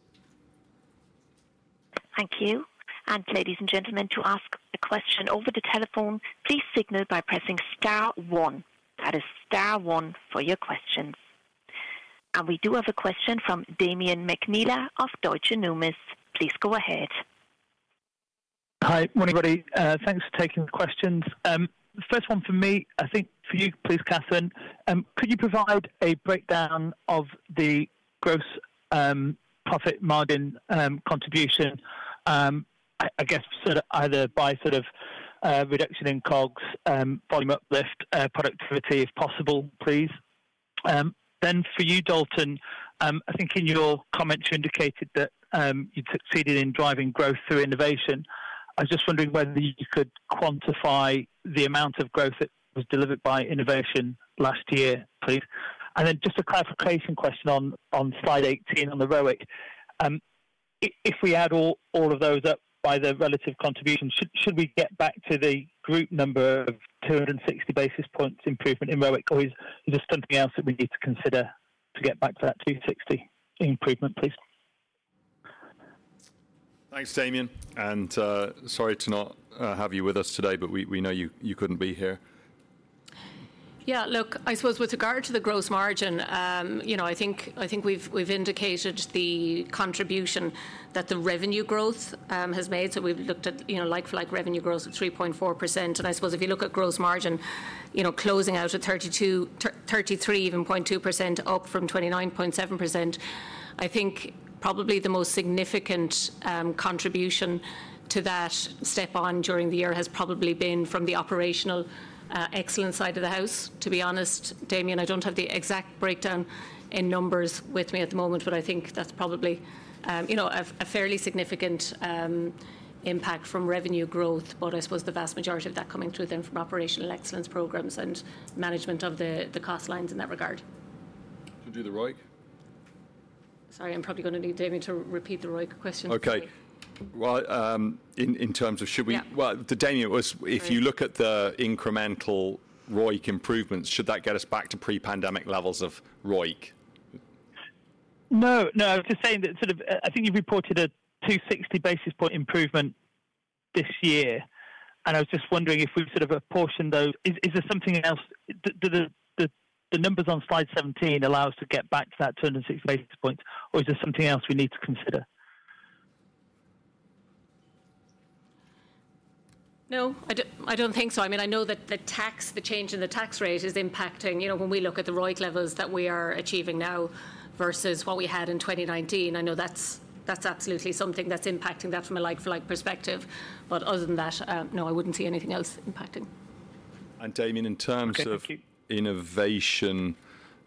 Thank you. And ladies and gentlemen, to ask a question over the telephone, please signal by pressing star one. That is star one for your questions. And we do have a question from Damian Mcneela of Deutsche Numis. Please go ahead. Hi, morning, everybody. Thanks for taking the questions. First one for me, I think for you, please, Catherine. Could you provide a breakdown of the gross profit margin contribution, I guess, either by sort of reduction in COGS, volume uplift, productivity, if possible, please? Then for you, Dalton, I think in your comments, you indicated that you'd succeeded in driving growth through innovation. I was just wondering whether you could quantify the amount of growth that was delivered by innovation last year, please. And then just a clarification question on slide 18 on the ROIC. If we add all of those up by the relative contribution, should we get back to the group number of 260 basis points improvement in ROIC, or is there something else that we need to consider to get back to that 260 improvement, please? Thanks, Damien. Sorry to not have you with us today, but we know you couldn't be here. Yeah. Look, I suppose with regard to the gross margin, I think we've indicated the contribution that the revenue growth has made. So we've looked at like-for-like revenue growth of 3.4%. And I suppose if you look at gross margin, closing out at 33, even 0.2% up from 29.7%, I think probably the most significant contribution to that step on during the year has probably been from the operational excellence side of the house. To be honest, Damien, I don't have the exact breakdown in numbers with me at the moment, but I think that's probably a fairly significant impact from revenue growth, but I suppose the vast majority of that coming through then from operational excellence programs and management of the cost lines in that regard. To do the ROIC? Sorry, I'm probably going to need Damien to repeat the ROIC question. Okay. Well, in terms of should we? Well, Damien, if you look at the incremental ROIC improvements, should that get us back to pre-pandemic levels of ROIC? No. No, I was just saying that sort of I think you've reported a 260 basis points improvement this year. And I was just wondering if we've sort of apportioned those. Is there something else? Do the numbers on slide 17 allow us to get back to that 260 basis points, or is there something else we need to consider? No, I don't think so. I mean, I know that the change in the tax rate is impacting when we look at the ROIC levels that we are achieving now versus what we had in 2019. I know that's absolutely something that's impacting that from a like-for-like perspective. But other than that, no, I wouldn't see anything else impacting. And Damien, in terms of innovation,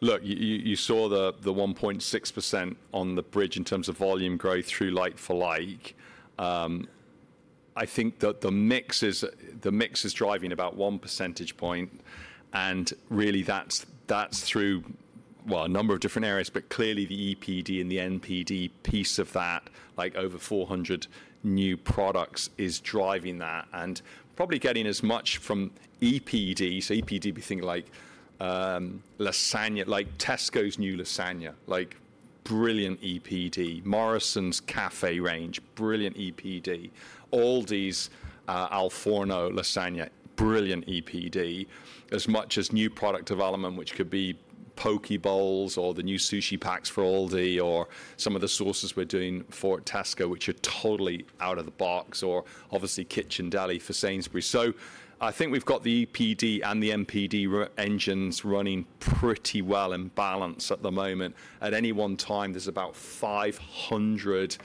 look, you saw the 1.6% on the bridge in terms of volume growth through like-for-like. I think that the mix is driving about one percentage point. And really, that's through, well, a number of different areas, but clearly the EPD and the NPD piece of that, like over 400 new products, is driving that and probably getting as much from EPD. So EPD, we think like Tesco's new Lasagna, brilliant EPD. Morrisons Cafe range, brilliant EPD. Aldi's Al Forno Lasagna, brilliant EPD. As much as new product development, which could be poke bowls or the new sushi packs for Aldi or some of the sauces we're doing for Tesco, which are totally out of the box, or obviously Kitchen Deli for Sainsbury's. So I think we've got the EPD and the NPD engines running pretty well in balance at the moment. At any one time, there's about 500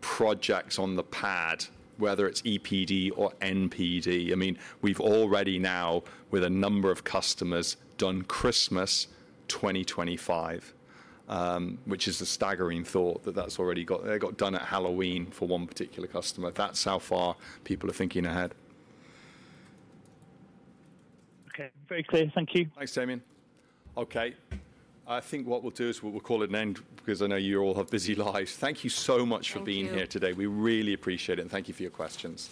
projects on the pad, whether it's EPD or NPD. I mean, we've already now, with a number of customers, done Christmas 2025, which is a staggering thought that they got done at Halloween for one particular customer. That's how far people are thinking ahead. Okay. Very clear. Thank you. Thanks, Damien. Okay. I think what we'll do is we'll call it an end because I know you all have busy lives. Thank you so much for being here today. We really appreciate it. And thank you for your questions.